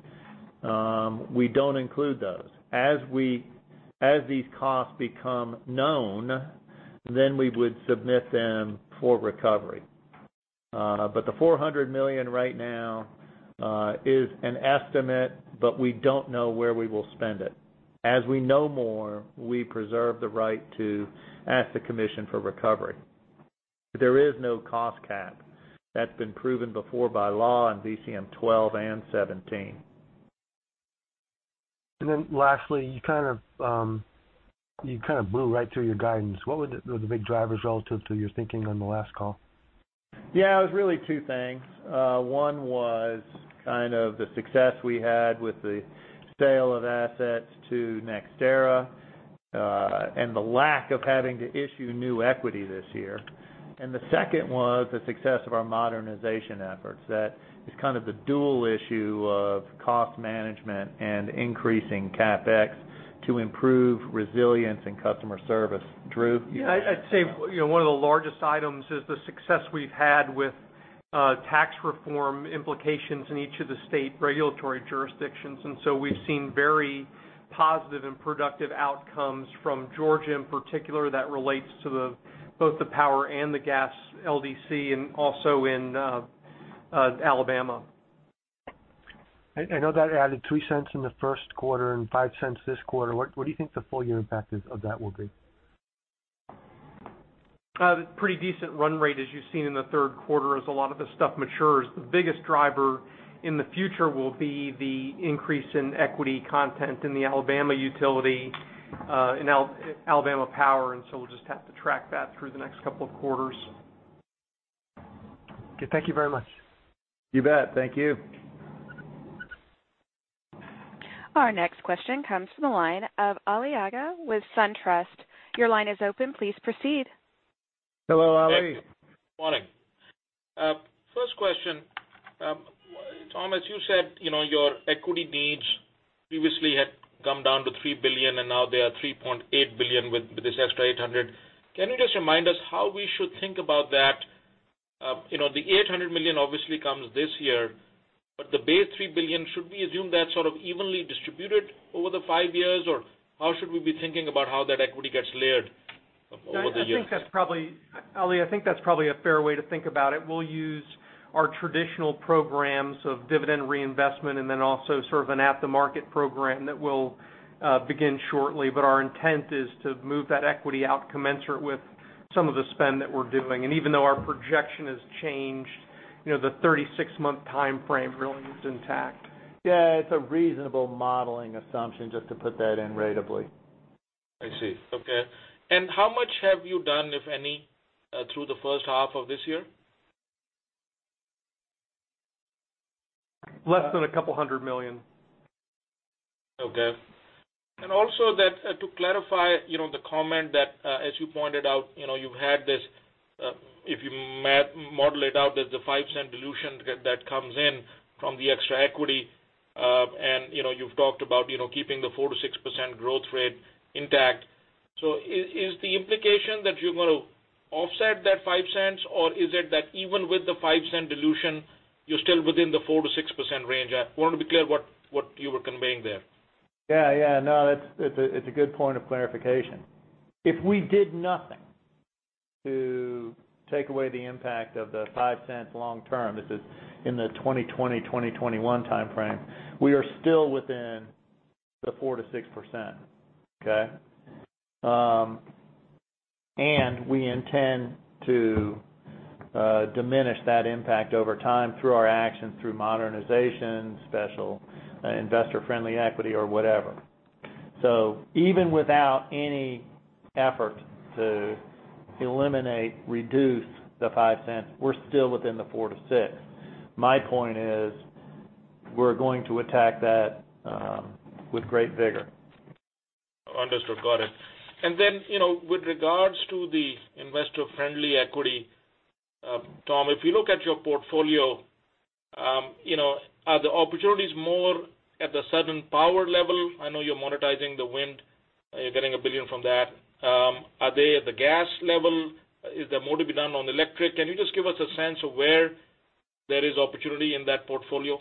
we don't include those. As these costs become known, then we would submit them for recovery. The $400 million right now is an estimate, but we don't know where we will spend it. As we know more, we preserve the right to ask the commission for recovery. There is no cost cap. That's been proven before by law in VCM 12 and 17. Lastly, you kind of blew right through your guidance. What were the big drivers relative to your thinking on the last call? Yeah, it was really two things. One was kind of the success we had with the sale of assets to NextEra, and the lack of having to issue new equity this year. The second was the success of our modernization efforts. That is kind of the dual issue of cost management and increasing CapEx to improve resilience in customer service. Drew? Yeah, I'd say one of the largest items is the success we've had with tax reform implications in each of the state regulatory jurisdictions, we've seen very positive and productive outcomes from Georgia in particular that relates to both the power and the gas LDC and also in Alabama. I know that added $0.02 in the first quarter and $0.05 this quarter. What do you think the full year impact is of that will be? Pretty decent run rate as you've seen in the third quarter as a lot of the stuff matures. The biggest driver in the future will be the increase in equity content in the Alabama utility, in Alabama Power, we'll just have to track that through the next couple of quarters. Okay, thank you very much. You bet. Thank you. Our next question comes from the line of Ali Agha with SunTrust. Your line is open. Please proceed. Hello, Ali. Thank you. Morning. First question. Tom, as you said, your equity needs previously had come down to $3 billion and now they are $3.8 billion with this extra $800. Can you just remind us how we should think about that? The $800 million obviously comes this year, but the base $3 billion, should we assume that's sort of evenly distributed over the five years, or how should we be thinking about how that equity gets layered over the years? Ali, I think that's probably a fair way to think about it. We'll use our traditional programs of dividend reinvestment and then also sort of an at-the-market program that will begin shortly. Our intent is to move that equity out commensurate with some of the spend that we're doing. Even though our projection has changed, the 36-month time frame really is intact. Yeah, it's a reasonable modeling assumption just to put that in ratably. I see. Okay. How much have you done, if any, through the first half of this year? Less than $200 million. Okay. Also to clarify the comment that, as you pointed out, you've had this, if you model it out, there's a $0.05 dilution that comes in from the extra equity. You've talked about keeping the 4%-6% growth rate intact. Is the implication that you're going to offset that $0.05, or is it that even with the $0.05 dilution, you're still within the 4%-6% range? I want to be clear what you were conveying there. Yeah. No, it's a good point of clarification. If we did nothing to take away the impact of the $0.05 long term, this is in the 2020, 2021 timeframe, we are still within the 4%-6%. Okay? We intend to diminish that impact over time through our actions, through modernization, special investor-friendly equity, or whatever. Even without any effort to eliminate, reduce the $0.05, we're still within the 4%-6%. My point is, we're going to attack that with great vigor. Understood. Got it. With regards to the investor-friendly equity, Tom, if you look at your portfolio, are the opportunities more at the Southern Power level? I know you're monetizing the wind. You're getting $1 billion from that. Are they at the gas level? Is there more to be done on electric? Can you just give us a sense of where there is opportunity in that portfolio?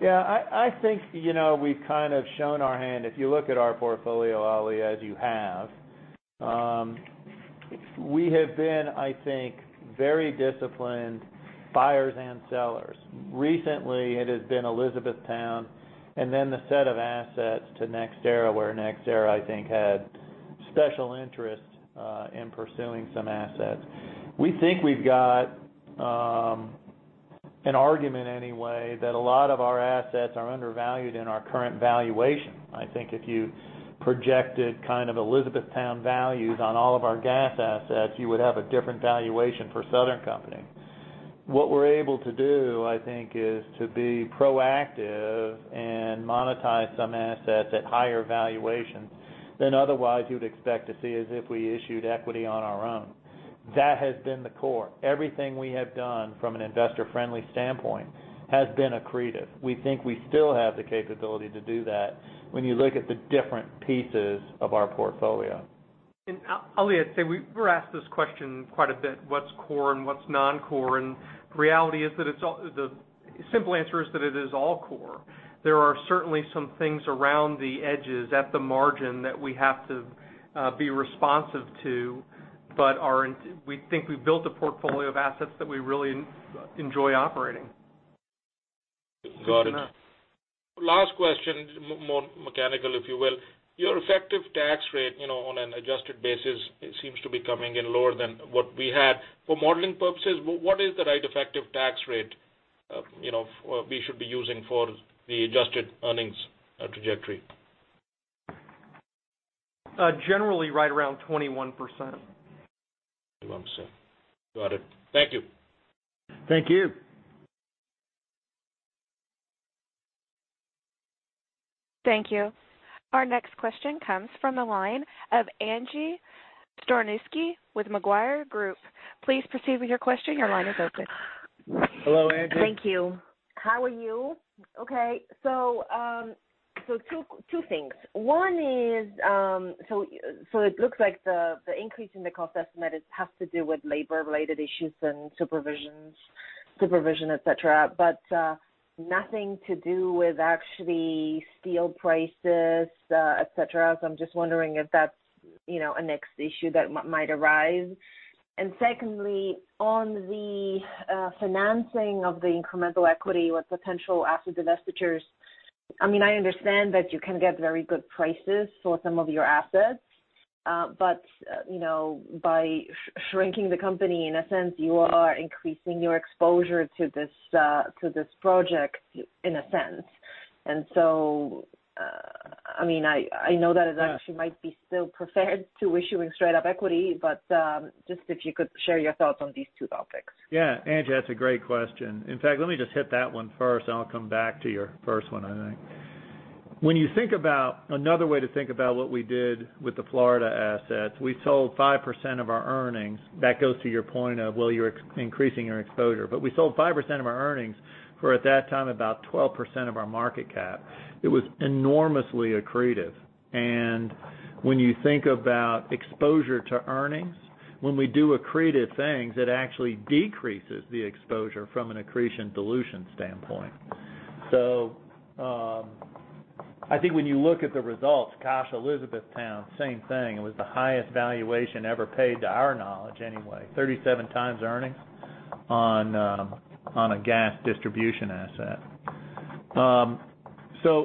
Yeah, I think we've kind of shown our hand. If you look at our portfolio, Ali, as you have, we have been, I think, very disciplined buyers and sellers. Recently, it has been Elizabethtown, and then the set of assets to NextEra, where NextEra, I think, had special interest in pursuing some assets. We think we've got an argument, anyway, that a lot of our assets are undervalued in our current valuation. I think if you projected kind of Elizabethtown values on all of our gas assets, you would have a different valuation for Southern Company. What we're able to do, I think, is to be proactive and monetize some assets at higher valuations than otherwise you'd expect to see as if we issued equity on our own. That has been the core. Everything we have done from an investor-friendly standpoint has been accretive. We think we still have the capability to do that when you look at the different pieces of our portfolio. Ali, I'd say we're asked this question quite a bit, what's core and what's non-core? The reality is that the simple answer is that it is all core. There are certainly some things around the edges at the margin that we have to be responsive to, but we think we've built a portfolio of assets that we really enjoy operating. Got it. Last question, more mechanical, if you will. Your effective tax rate on an adjusted basis seems to be coming in lower than what we had. For modeling purposes, what is the right effective tax rate we should be using for the adjusted earnings trajectory? Generally, right around 21%. 21%. Got it. Thank you. Thank you. Thank you. Our next question comes from the line of Angie Storozynski with Macquarie Group. Please proceed with your question. Your line is open. Hello, Angie. Thank you. How are you? Okay, two things. One is, it looks like the increase in the cost estimate has to do with labor-related issues and supervision, et cetera, but nothing to do with actually steel prices, et cetera. I'm just wondering if that's a next issue that might arise. Secondly, on the financing of the incremental equity with potential asset divestitures, I understand that you can get very good prices for some of your assets. By shrinking the company, in a sense, you are increasing your exposure to this project, in a sense. I know that it actually might be still preferred to issuing straight-up equity. Just if you could share your thoughts on these two topics. Yeah. Angie, that's a great question. In fact, let me just hit that one first, and I'll come back to your first one, I think. When you think about another way to think about what we did with the Florida assets, we sold 5% of our earnings. That goes to your point of, well, you're increasing your exposure. We sold 5% of our earnings for, at that time, about 12% of our market cap. It was enormously accretive. When you think about exposure to earnings, when we do accretive things, it actually decreases the exposure from an accretion dilution standpoint. I think when you look at the results, gosh, Elizabethtown, same thing. It was the highest valuation ever paid, to our knowledge anyway, 37 times earnings on a gas distribution asset.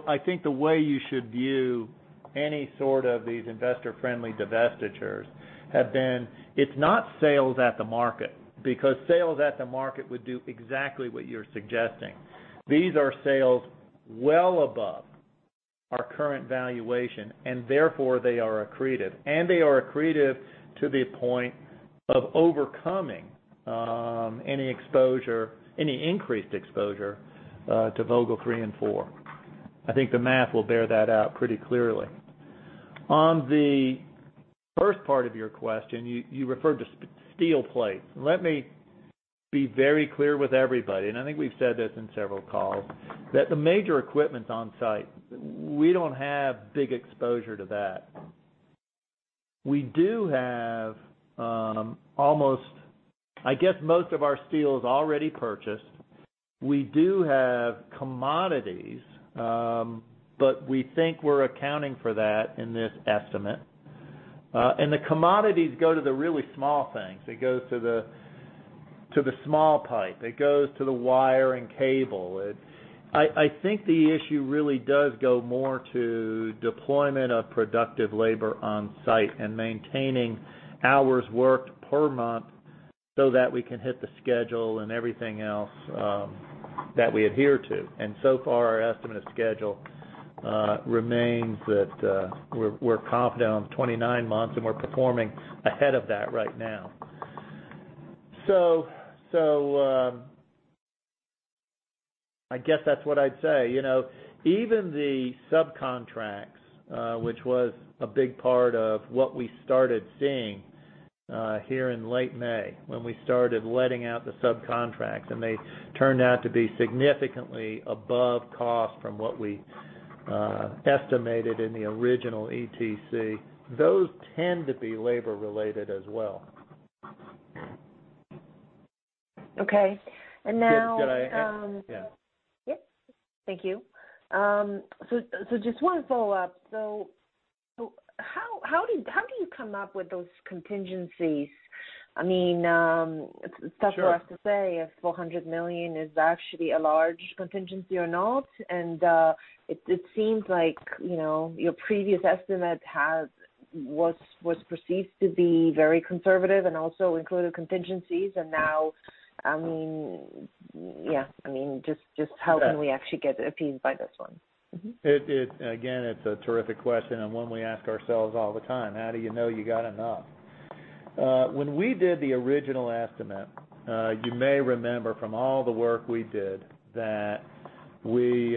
I think the way you should view any sort of these investor-friendly divestitures have been, it's not sales at the market, because sales at the market would do exactly what you're suggesting. These are sales well above our current valuation, and therefore they are accretive. They are accretive to the point of overcoming any increased exposure to Vogtle three and four. I think the math will bear that out pretty clearly. On the first part of your question, you referred to steel plates. Let me be very clear with everybody, and I think we've said this in several calls, that the major equipment's on-site. We don't have big exposure to that. We do have almost, I guess, most of our steel is already purchased. We do have commodities, but we think we're accounting for that in this estimate. The commodities go to the really small things. It goes to the small pipe. It goes to the wire and cable. I think the issue really does go more to deployment of productive labor on site and maintaining hours worked per month so that we can hit the schedule and everything else that we adhere to. So far, our estimate of schedule remains that we're confident on 29 months, and we're performing ahead of that right now. I guess that's what I'd say. Even the subcontracts, which was a big part of what we started seeing here in late May, when we started letting out the subcontracts, and they turned out to be significantly above cost from what we estimated in the original ETC. Those tend to be labor related as well. Okay. Now- Yeah. Yes. Thank you. Just one follow-up. How do you come up with those contingencies? It's tough for us to say if $400 million is actually a large contingency or not, and it seems like your previous estimate was perceived to be very conservative and also included contingencies. Now, just how can we actually get appeased by this one? Again, it's a terrific question, and one we ask ourselves all the time. How do you know you got enough? When we did the original estimate, you may remember from all the work we did that we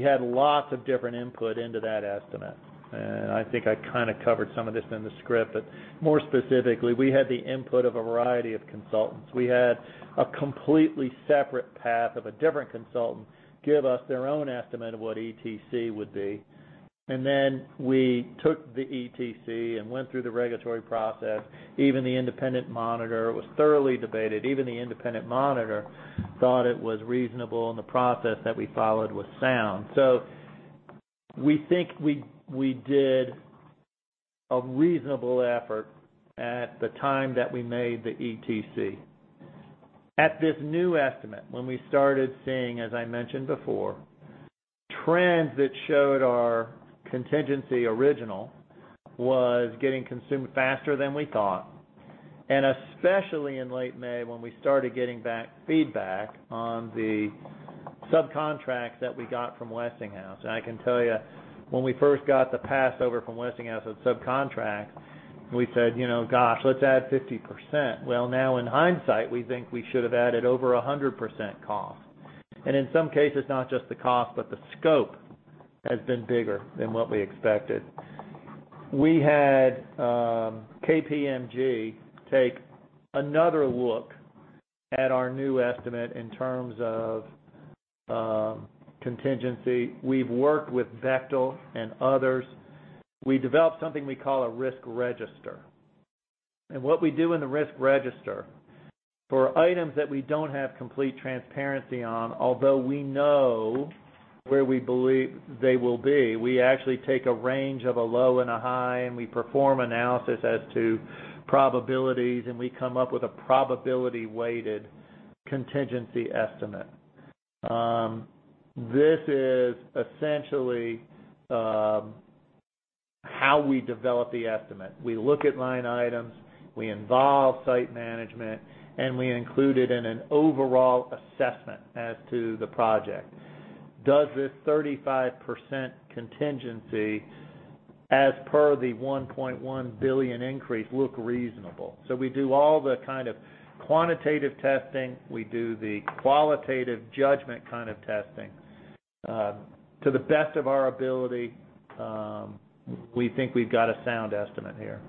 had lots of different input into that estimate. I think I kind of covered some of this in the script, but more specifically, we had the input of a variety of consultants. We had a completely separate path of a different consultant give us their own estimate of what ETC would be. Then we took the ETC and went through the regulatory process. Even the independent monitor, it was thoroughly debated. Even the independent monitor thought it was reasonable and the process that we followed was sound. We think we did a reasonable effort at the time that we made the ETC. At this new estimate, when we started seeing, as I mentioned before, trends that showed our contingency original was getting consumed faster than we thought, and especially in late May, when we started getting feedback on the subcontract that we got from Westinghouse. I can tell you, when we first got the passover from Westinghouse of subcontract, we said, "Gosh, let's add 50%." Well, now in hindsight, we think we should have added over 100% cost. In some cases, not just the cost, but the scope has been bigger than what we expected. We had KPMG take another look at our new estimate in terms of contingency. We've worked with Bechtel and others. We developed something we call a risk register. What we do in the risk register, for items that we don't have complete transparency on, although we know where we believe they will be, we actually take a range of a low and a high, and we perform analysis as to probabilities, and we come up with a probability-weighted contingency estimate. This is essentially how we develop the estimate. We look at line items, we involve site management, and we include it in an overall assessment as to the project. Does this 35% contingency, as per the $1.1 billion increase, look reasonable? We do all the kind of quantitative testing. We do the qualitative judgment kind of testing. To the best of our ability, we think we've got a sound estimate here.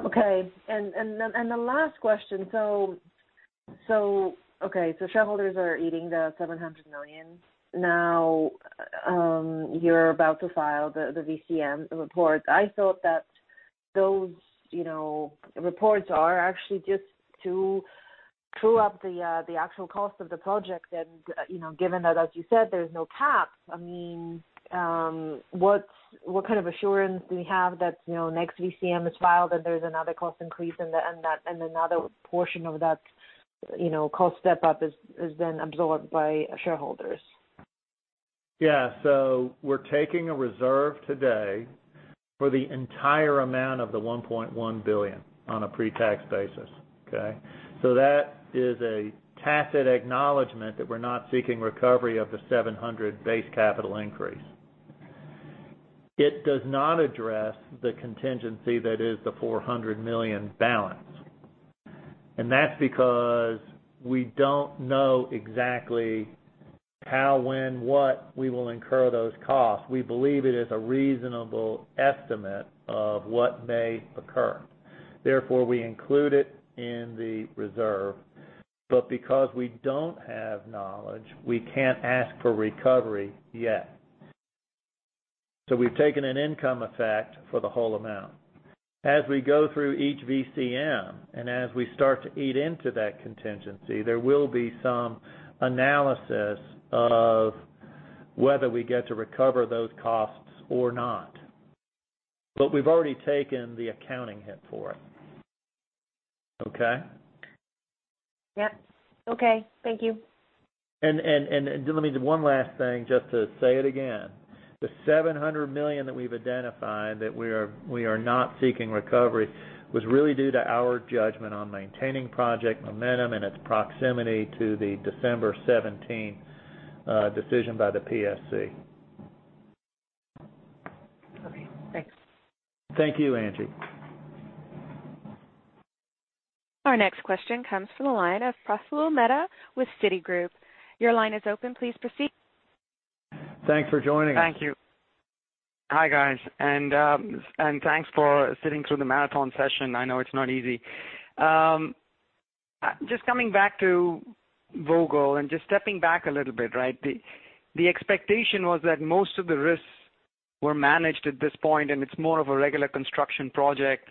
The last question. Shareholders are eating the $700 million. You're about to file the VCM reports. I thought that those reports are actually just to true up the actual cost of the project. Given that, as you said, there's no cap. What kind of assurance do we have that next VCM is filed and there's another cost increase and another portion of that cost step up is then absorbed by shareholders? Yeah. We're taking a reserve today for the entire amount of the $1.1 billion on a pre-tax basis. Okay? That is a tacit acknowledgment that we're not seeking recovery of the $700 base capital increase. It does not address the contingency that is the $400 million balance. That's because we don't know exactly how, when, what we will incur those costs. We believe it is a reasonable estimate of what may occur. Therefore, we include it in the reserve. Because we don't have knowledge, we can't ask for recovery yet. We've taken an income effect for the whole amount. As we go through each VCM, and as we start to eat into that contingency, there will be some analysis of whether we get to recover those costs or not. We've already taken the accounting hit for it. Okay? Yep. Okay. Thank you. Let me do one last thing just to say it again. The $700 million that we've identified that we are not seeking recovery was really due to our judgment on maintaining project momentum and its proximity to the December 17 decision by the PSC. Okay, thanks. Thank you, Angie. Our next question comes from the line of Praful Mehta with Citigroup. Your line is open. Please proceed. Thanks for joining us. Thank you. Hi, guys. Thanks for sitting through the marathon session. I know it's not easy. Just coming back to Vogtle and just stepping back a little bit, right? The expectation was that most of the risks were managed at this point, and it's more of a regular construction project.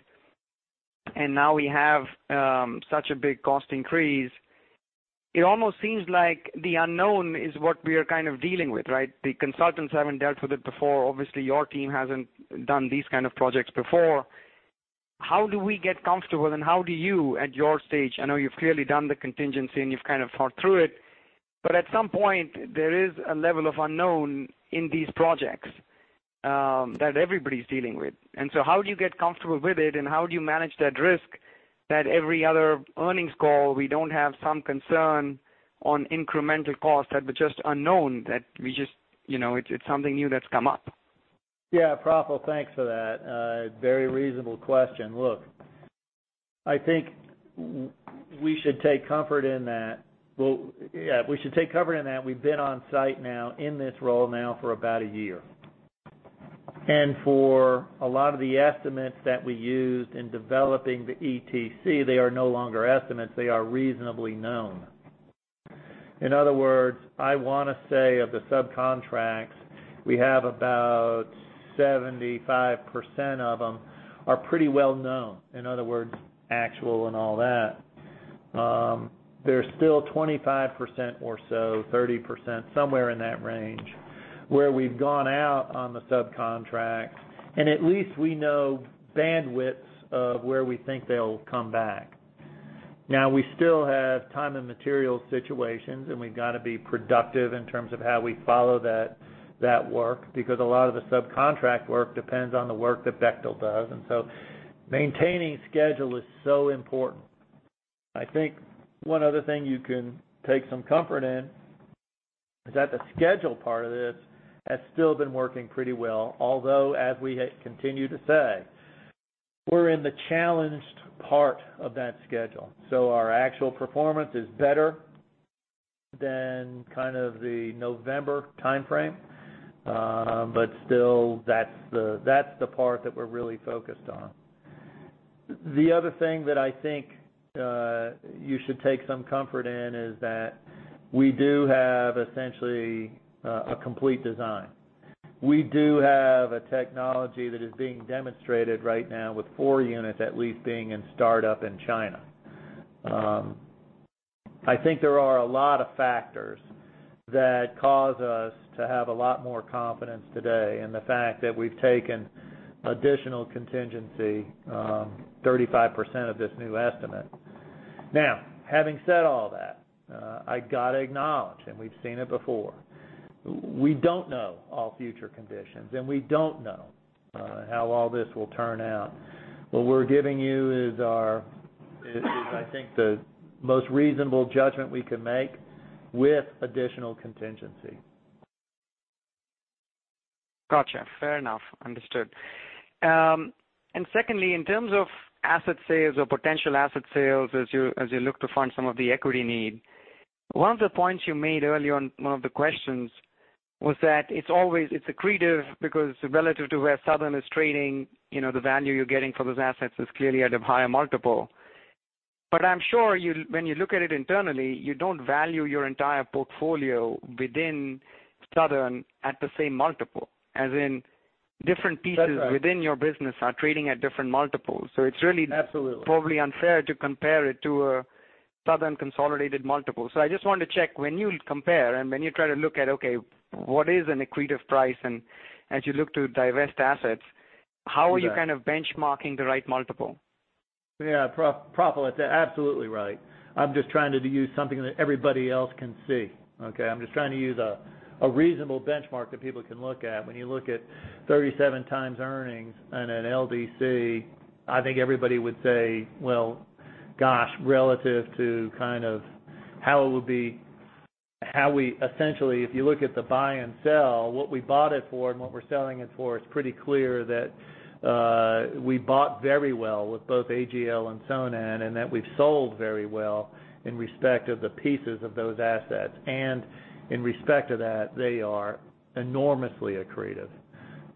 Now we have such a big cost increase. It almost seems like the unknown is what we are kind of dealing with, right? The consultants haven't dealt with it before. Obviously, your team hasn't done these kind of projects before. How do we get comfortable and how do you, at your stage, I know you've clearly done the contingency and you've kind of thought through it, but at some point, there is a level of unknown in these projects that everybody's dealing with. How do you get comfortable with it and how do you manage that risk that every other earnings call, we don't have some concern on incremental costs that were just unknown, that it's something new that's come up? Yeah. Praful, thanks for that. Very reasonable question. Look, I think we should take comfort in that we've been on site now in this role now for about a year. For a lot of the estimates that we used in developing the ETC, they are no longer estimates. They are reasonably known. In other words, I want to say of the subcontracts, we have about 75% of them are pretty well known. In other words, actual and all that. There's still 25% or so, 30%, somewhere in that range, where we've gone out on the subcontract, and at least we know bandwidths of where we think they'll come back. Now, we still have time and material situations, and we've got to be productive in terms of how we follow that work, because a lot of the subcontract work depends on the work that Bechtel does. Maintaining schedule is so important. I think one other thing you can take some comfort in is that the schedule part of this has still been working pretty well, although as we continue to say, we're in the challenged part of that schedule. Our actual performance is better than kind of the November timeframe. Still, that's the part that we're really focused on. The other thing that I think you should take some comfort in is that we do have essentially a complete design. We do have a technology that is being demonstrated right now with four units at least being in startup in China. I think there are a lot of factors that cause us to have a lot more confidence today in the fact that we've taken additional contingency, 35% of this new estimate. Having said all that, I got to acknowledge, and we've seen it before. We don't know all future conditions, and we don't know how all this will turn out. What we're giving you is, I think, the most reasonable judgment we can make with additional contingency. Gotcha. Fair enough. Understood. Secondly, in terms of asset sales or potential asset sales as you look to find some of the equity need, one of the points you made earlier on one of the questions was that it's accretive because relative to where Southern is trading, the value you're getting for those assets is clearly at a higher multiple. But I'm sure when you look at it internally, you don't value your entire portfolio within Southern at the same multiple. As in different pieces- That's right within your business are trading at different multiples. It is Absolutely probably unfair to compare it to a Southern consolidated multiple. I just wanted to check, when you compare and when you try to look at, okay, what is an accretive price? As you look to divest assets, Correct how are you kind of benchmarking the right multiple? Yeah, Praful, absolutely right. I am just trying to use something that everybody else can see. Okay? I am just trying to use a reasonable benchmark that people can look at. When you look at 37 times earnings on an LDC, I think everybody would say, "Well, gosh," relative to kind of how we essentially, if you look at the buy and sell, what we bought it for and what we are selling it for, it is pretty clear that we bought very well with both AGL and Sonat, and that we have sold very well in respect of the pieces of those assets. In respect to that, they are enormously accretive.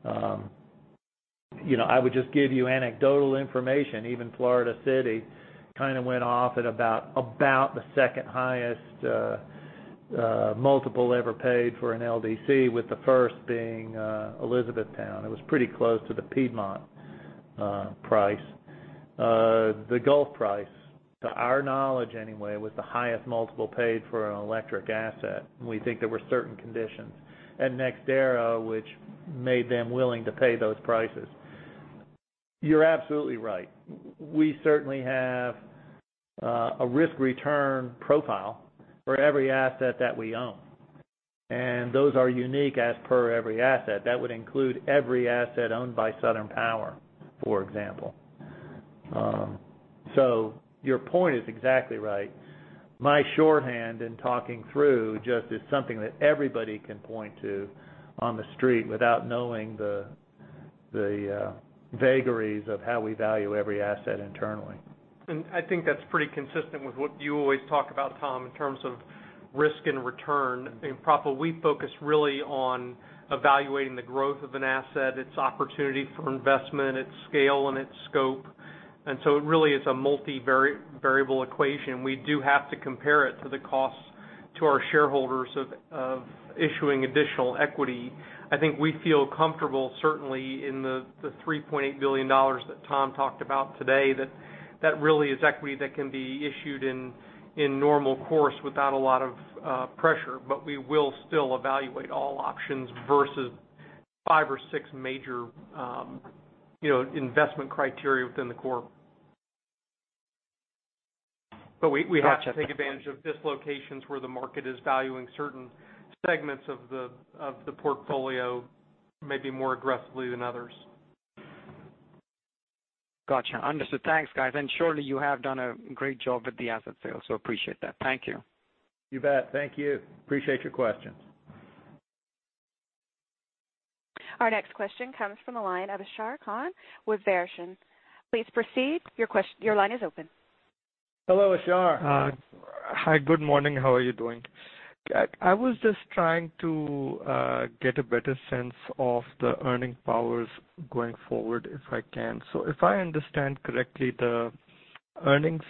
I would just give you anecdotal information. Even Florida City kind of went off at about the second highest multiple ever paid for an LDC, with the first being Elizabethtown. It was pretty close to the Piedmont price. The Gulf price, to our knowledge anyway, was the highest multiple paid for an electric asset. We think there were certain conditions at NextEra which made them willing to pay those prices. You are absolutely right. We certainly have a risk-return profile for every asset that we own, and those are unique as per every asset. That would include every asset owned by Southern Power, for example. Your point is exactly right. My shorthand in talking through just is something that everybody can point to on the street without knowing the vagaries of how we value every asset internally. I think that is pretty consistent with what you always talk about, Tom, in terms of risk and return. In [PROPTRA], we focus really on evaluating the growth of an asset, its opportunity for investment, its scale, and its scope. It really is a multi-variable equation. We do have to compare it to the cost to our shareholders of issuing additional equity. I think we feel comfortable, certainly in the $3.8 billion that Tom talked about today, that that really is equity that can be issued in normal course without a lot of pressure. We will still evaluate all options versus five or six major investment criteria within the core. We have to take advantage of dislocations where the market is valuing certain segments of the portfolio maybe more aggressively than others. Got you. Understood. Thanks, guys. Surely you have done a great job with the asset sale, appreciate that. Thank you. You bet. Thank you. Appreciate your questions. Our next question comes from the line of Ashar Khan with Verition. Please proceed. Your line is open. Hello, Ashar. Hi. Good morning. How are you doing? I was just trying to get a better sense of the earning powers going forward, if I can. If I understand correctly, the earnings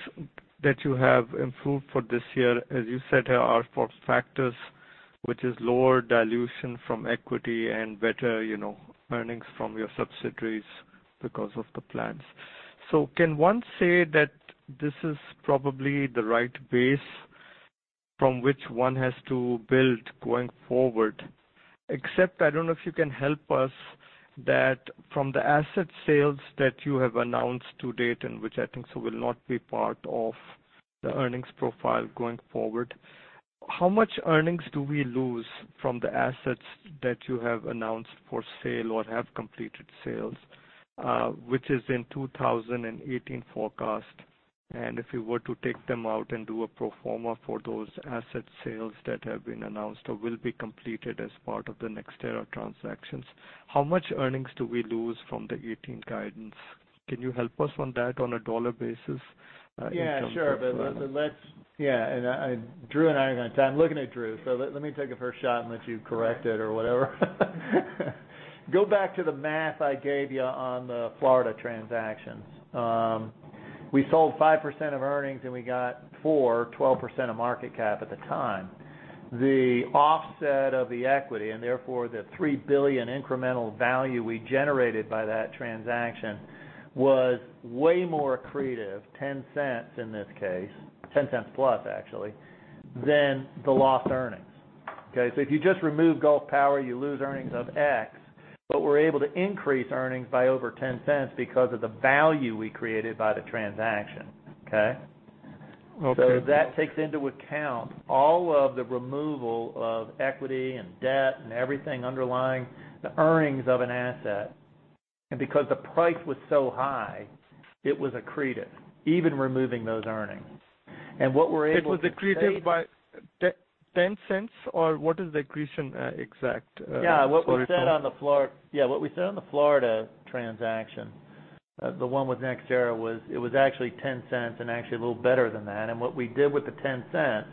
that you have improved for this year, as you said, are for factors, which is lower dilution from equity and better earnings from your subsidiaries because of the plans. Can one say that this is probably the right base from which one has to build going forward? Except I don't know if you can help us that from the asset sales that you have announced to date, and which I think will not be part of the earnings profile going forward, how much earnings do we lose from the assets that you have announced for sale or have completed sales, which is in 2018 forecast? If you were to take them out and do a pro forma for those asset sales that have been announced or will be completed as part of the NextEra transactions, how much earnings do we lose from the 2018 guidance? Can you help us on that on a dollar basis? Yeah, sure. Drew, I'm looking at Drew, so let me take a first shot and let you correct it or whatever. Go back to the math I gave you on the Florida transactions. We sold 5% of earnings, and we got four, 12% of market cap at the time. The offset of the equity, and therefore the $3 billion incremental value we generated by that transaction was way more accretive, $0.10 in this case, $0.10 plus actually, than the lost earnings. Okay? If you just remove Gulf Power, you lose earnings of X, but we're able to increase earnings by over $0.10 because of the value we created by the transaction. Okay? Okay. That takes into account all of the removal of equity and debt and everything underlying the earnings of an asset. Because the price was so high, it was accretive, even removing those earnings. What we're able to say It was accretive by $0.10, or what is the accretion exact, sorry, Tom? Yeah, what we said on the Florida transaction, the one with NextEra, it was actually $0.10 and actually a little better than that. What we did with the $0.10,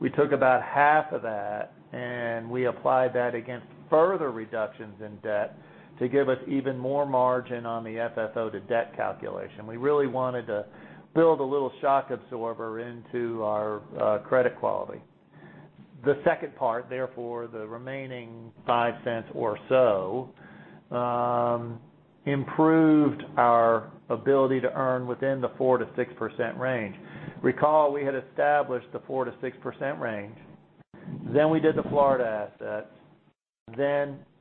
we took about half of that, and we applied that against further reductions in debt to give us even more margin on the FFO to debt calculation. We really wanted to build a little shock absorber into our credit quality. The second part, therefore, the remaining $0.05 or so, improved our ability to earn within the 4%-6% range. Recall, we had established the 4%-6% range. We did the Florida assets,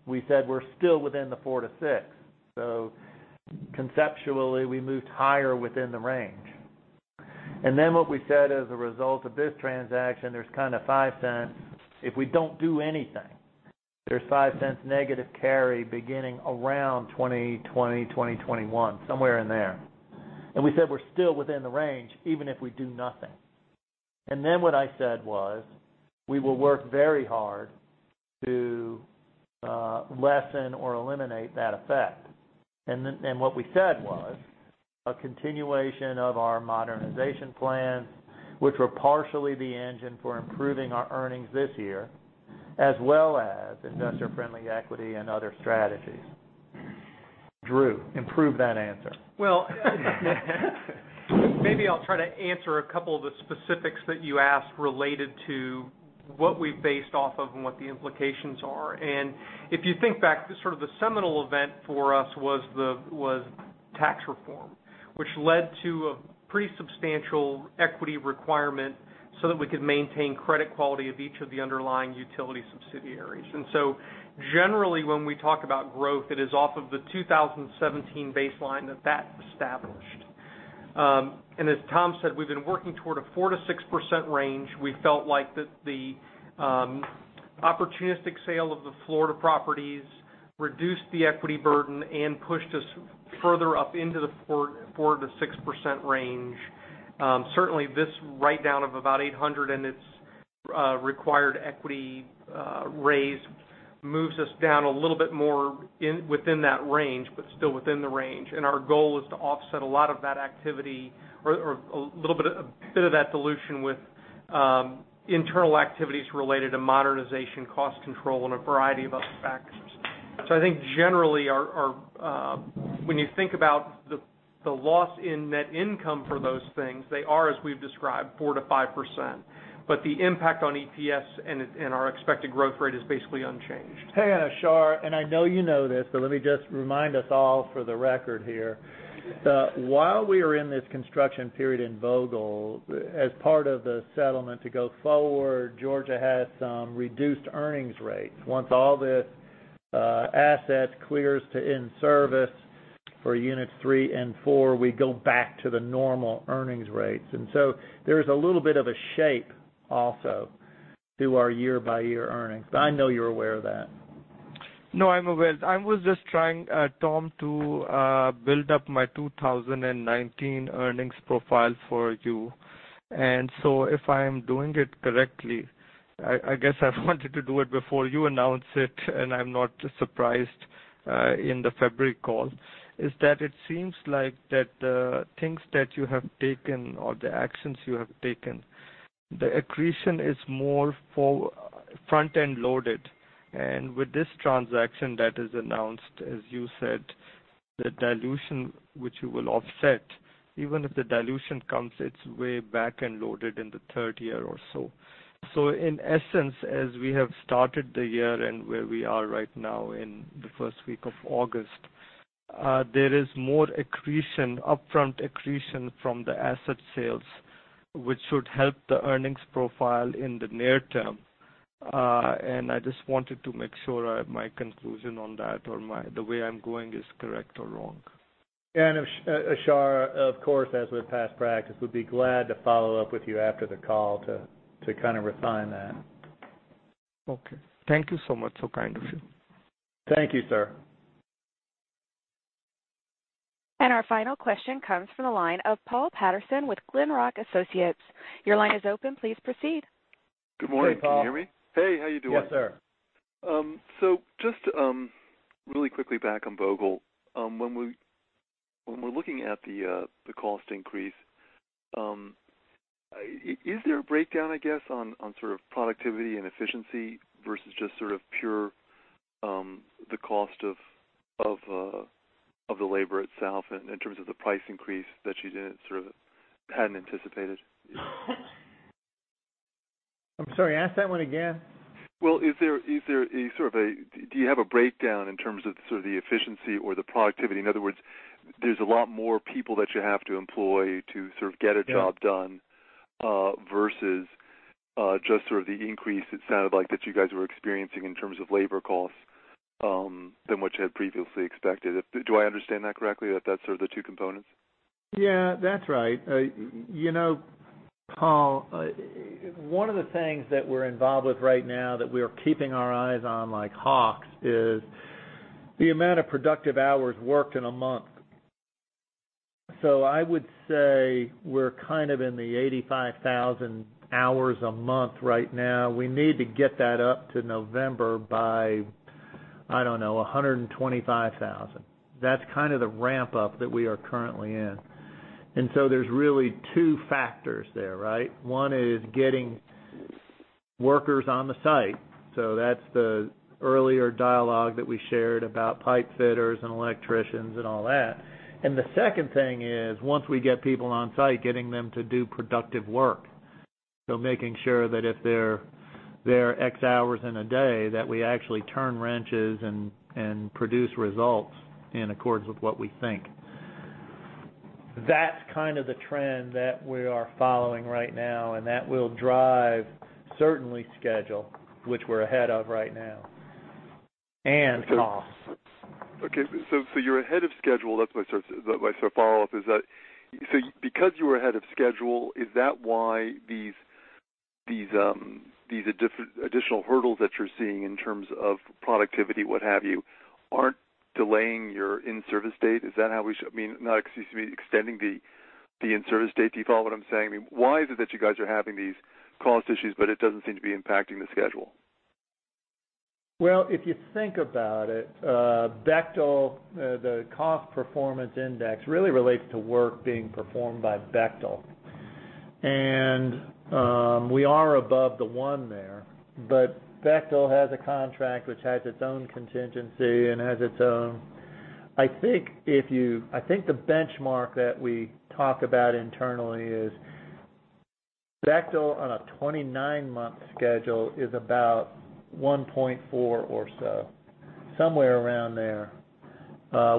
we said we're still within the 4%-6%. Conceptually, we moved higher within the range. What we said as a result of this transaction, there's kind of $0.05. If we don't do anything, there's $0.05 negative carry beginning around 2020, 2021, somewhere in there. We said we're still within the range even if we do nothing. What I said was, we will work very hard to lessen or eliminate that effect. What we said was a continuation of our modernization plans, which were partially the engine for improving our earnings this year, as well as investor-friendly equity and other strategies. Drew, improve that answer. Maybe I'll try to answer a couple of the specifics that you asked related to what we've based off of and what the implications are. If you think back, the sort of the seminal event for us was tax reform, which led to a pretty substantial equity requirement so that we could maintain credit quality of each of the underlying utility subsidiaries. Generally, when we talk about growth, it is off of the 2017 baseline that that established. As Tom said, we've been working toward a 4%-6% range. We felt like that the opportunistic sale of the Florida properties reduced the equity burden and pushed us further up into the 4%-6% range. Certainly, this write-down of about 800 and its required equity raise moves us down a little bit more in, within that range, but still within the range. Our goal is to offset a lot of that activity or, a little bit of that dilution with internal activities related to modernization, cost control, and a variety of other factors. I think generally our, when you think about the loss in net income for those things, they are, as we've described, 4%-5%, but the impact on EPS and its, and our expected growth rate is basically unchanged. Hey, Ashar, I know you know this, but let me just remind us all for the record here. The, while we are in this construction period in Vogtle, as part of the settlement to go forward, Georgia has some reduced earnings rates. Once all the assets clears to in-service for units 3 and 4, we go back to the normal earnings rates. There is a little bit of a shape also through our year-by-year earnings, but I know you're aware of that. No, I'm aware. I was just trying, Tom, to build up my 2019 earnings profile for you. If I am doing it correctly, I guess I wanted to do it before you announce it, and I'm not surprised, in the February call, is that it seems like that the things that you have taken or the actions you have taken, the accretion is more front-end loaded. With this transaction that is announced, as you said, the dilution which you will offset, even if the dilution comes, it's way back-end loaded in the third year or so. In essence, as we have started the year and where we are right now in the first week of August, there is more accretion, upfront accretion from the asset sales, which should help the earnings profile in the near term. I just wanted to make sure I have my conclusion on that or the way I'm going is correct or wrong. Ashar, of course, as with past practice, we'd be glad to follow up with you after the call to kind of refine that. Thank you so much. Kind of you. Thank you, sir. Our final question comes from the line of Paul Patterson with Glenrock Associates. Your line is open. Please proceed. Good morning. Hey, Paul. Can you hear me? Hey, how you doing? Yes, sir. Just really quickly back on Vogtle. When we're looking at the cost increase, is there a breakdown, I guess, on sort of productivity and efficiency versus just sort of pure, the cost of the labor itself and in terms of the price increase that you hadn't anticipated? I'm sorry, ask that one again. Well, is there a sort of a Do you have a breakdown in terms of sort of the efficiency or the productivity? In other words, there's a lot more people that you have to employ to sort of get a job done. Yeah Versus just sort of the increase it sounded like that you guys were experiencing in terms of labor costs than what you had previously expected. Do I understand that correctly, that that's sort of the two components? Yeah, that's right. You know, Paul, one of the things that we're involved with right now that we are keeping our eyes on like hawks is the amount of productive hours worked in a month. I would say we're kind of in the 85,000 hours a month right now. We need to get that up to November by, I don't know, 125,000. That's kind of the ramp-up that we are currently in. There's really two factors there, right? One is getting workers on the site, so that's the earlier dialogue that we shared about pipe fitters and electricians and all that. The second thing is, once we get people on site, getting them to do productive work. making sure that if they're x hours in a day, that we actually turn wrenches and produce results in accordance with what we think. That's kind of the trend that we are following right now, and that will drive certainly schedule, which we're ahead of right now, and costs. You're ahead of schedule. That's my sort of follow-up, is that, so because you are ahead of schedule, is that why these additional hurdles that you're seeing in terms of productivity, what have you, aren't delaying your in-service date? Is that how we should I mean, no, excuse me, extending the in-service date? You follow what I'm saying? I mean, why is it that you guys are having these cost issues but it doesn't seem to be impacting the schedule? Well, if you think about it, Bechtel, the cost performance index really relates to work being performed by Bechtel. We are above the one there. Bechtel has a contract which has its own contingency and has its own I think the benchmark that we talk about internally is Bechtel on a 29-month schedule is about 1.4 or so, somewhere around there.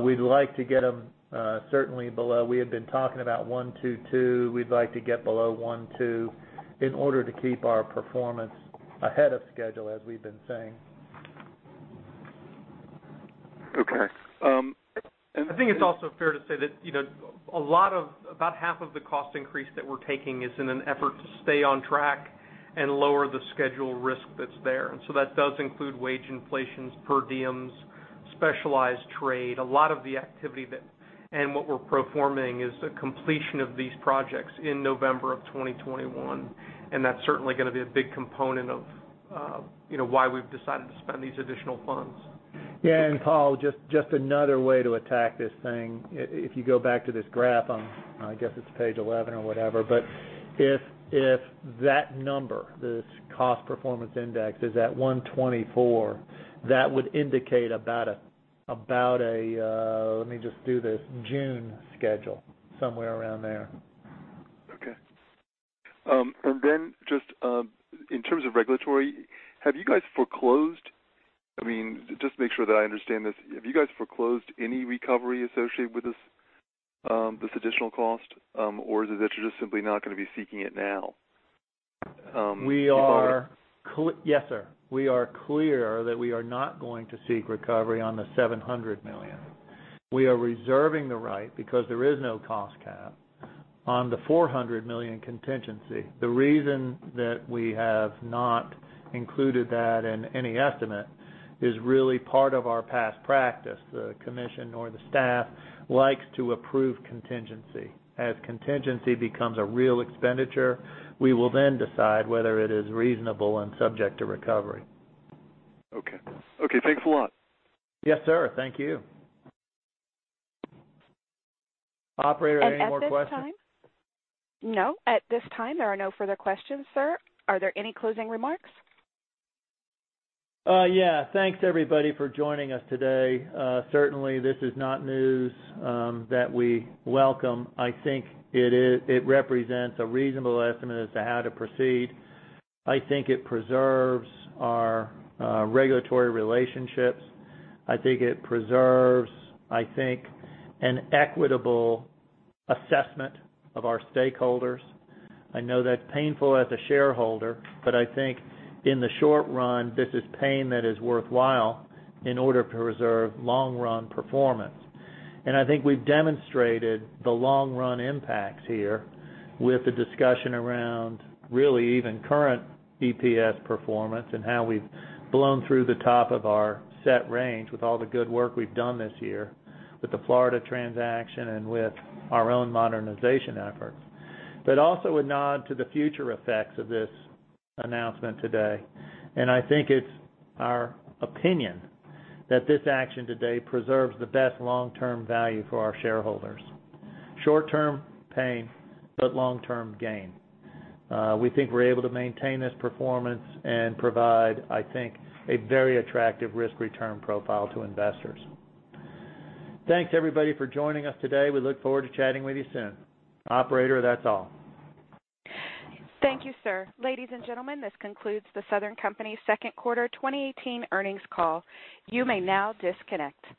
We'd like to get them certainly below, we had been talking about 1.22. We'd like to get below 1.2 in order to keep our performance ahead of schedule, as we've been saying. Okay. I think it's also fair to say that about half of the cost increase that we're taking is in an effort to stay on track and lower the schedule risk that's there. That does include wage inflations, per diems, specialized trade. What we're performing is the completion of these projects in November of 2021, that's certainly going to be a big component of why we've decided to spend these additional funds. Yeah. Paul, just another way to attack this thing, if you go back to this graph on, I guess it's page 11 or whatever, but if that number, this cost performance index, is at 124, that would indicate about a, let me just do this, June schedule, somewhere around there. Okay. Just in terms of regulatory, have you guys foreclosed, just to make sure that I understand this, have you guys foreclosed any recovery associated with this additional cost? Or is it that you're just simply not going to be seeking it now? Yes, sir. We are clear that we are not going to seek recovery on the $700 million. We are reserving the right, because there is no cost cap, on the $400 million contingency. The reason that we have not included that in any estimate is really part of our past practice. The commission or the staff likes to approve contingency. As contingency becomes a real expenditure, we will then decide whether it is reasonable and subject to recovery. Okay. Thanks a lot. Yes, sir. Thank you. Operator, are there any more questions? At this time? No, at this time, there are no further questions, sir. Are there any closing remarks? Yeah. Thanks everybody for joining us today. Certainly, this is not news that we welcome. I think it represents a reasonable estimate as to how to proceed. I think it preserves our regulatory relationships. I think it preserves an equitable assessment of our stakeholders. I know that's painful as a shareholder, but I think in the short run, this is pain that is worthwhile in order to preserve long-run performance. I think we've demonstrated the long-run impacts here with the discussion around really even current EPS performance and how we've blown through the top of our set range with all the good work we've done this year with the Florida transaction and with our own modernization efforts. Also a nod to the future effects of this announcement today, and I think it's our opinion that this action today preserves the best long-term value for our shareholders. Short-term pain, but long-term gain. We think we're able to maintain this performance and provide, I think, a very attractive risk-return profile to investors. Thanks everybody for joining us today. We look forward to chatting with you soon. Operator, that's all. Thank you, sir. Ladies and gentlemen, this concludes The Southern Company second quarter 2018 earnings call. You may now disconnect.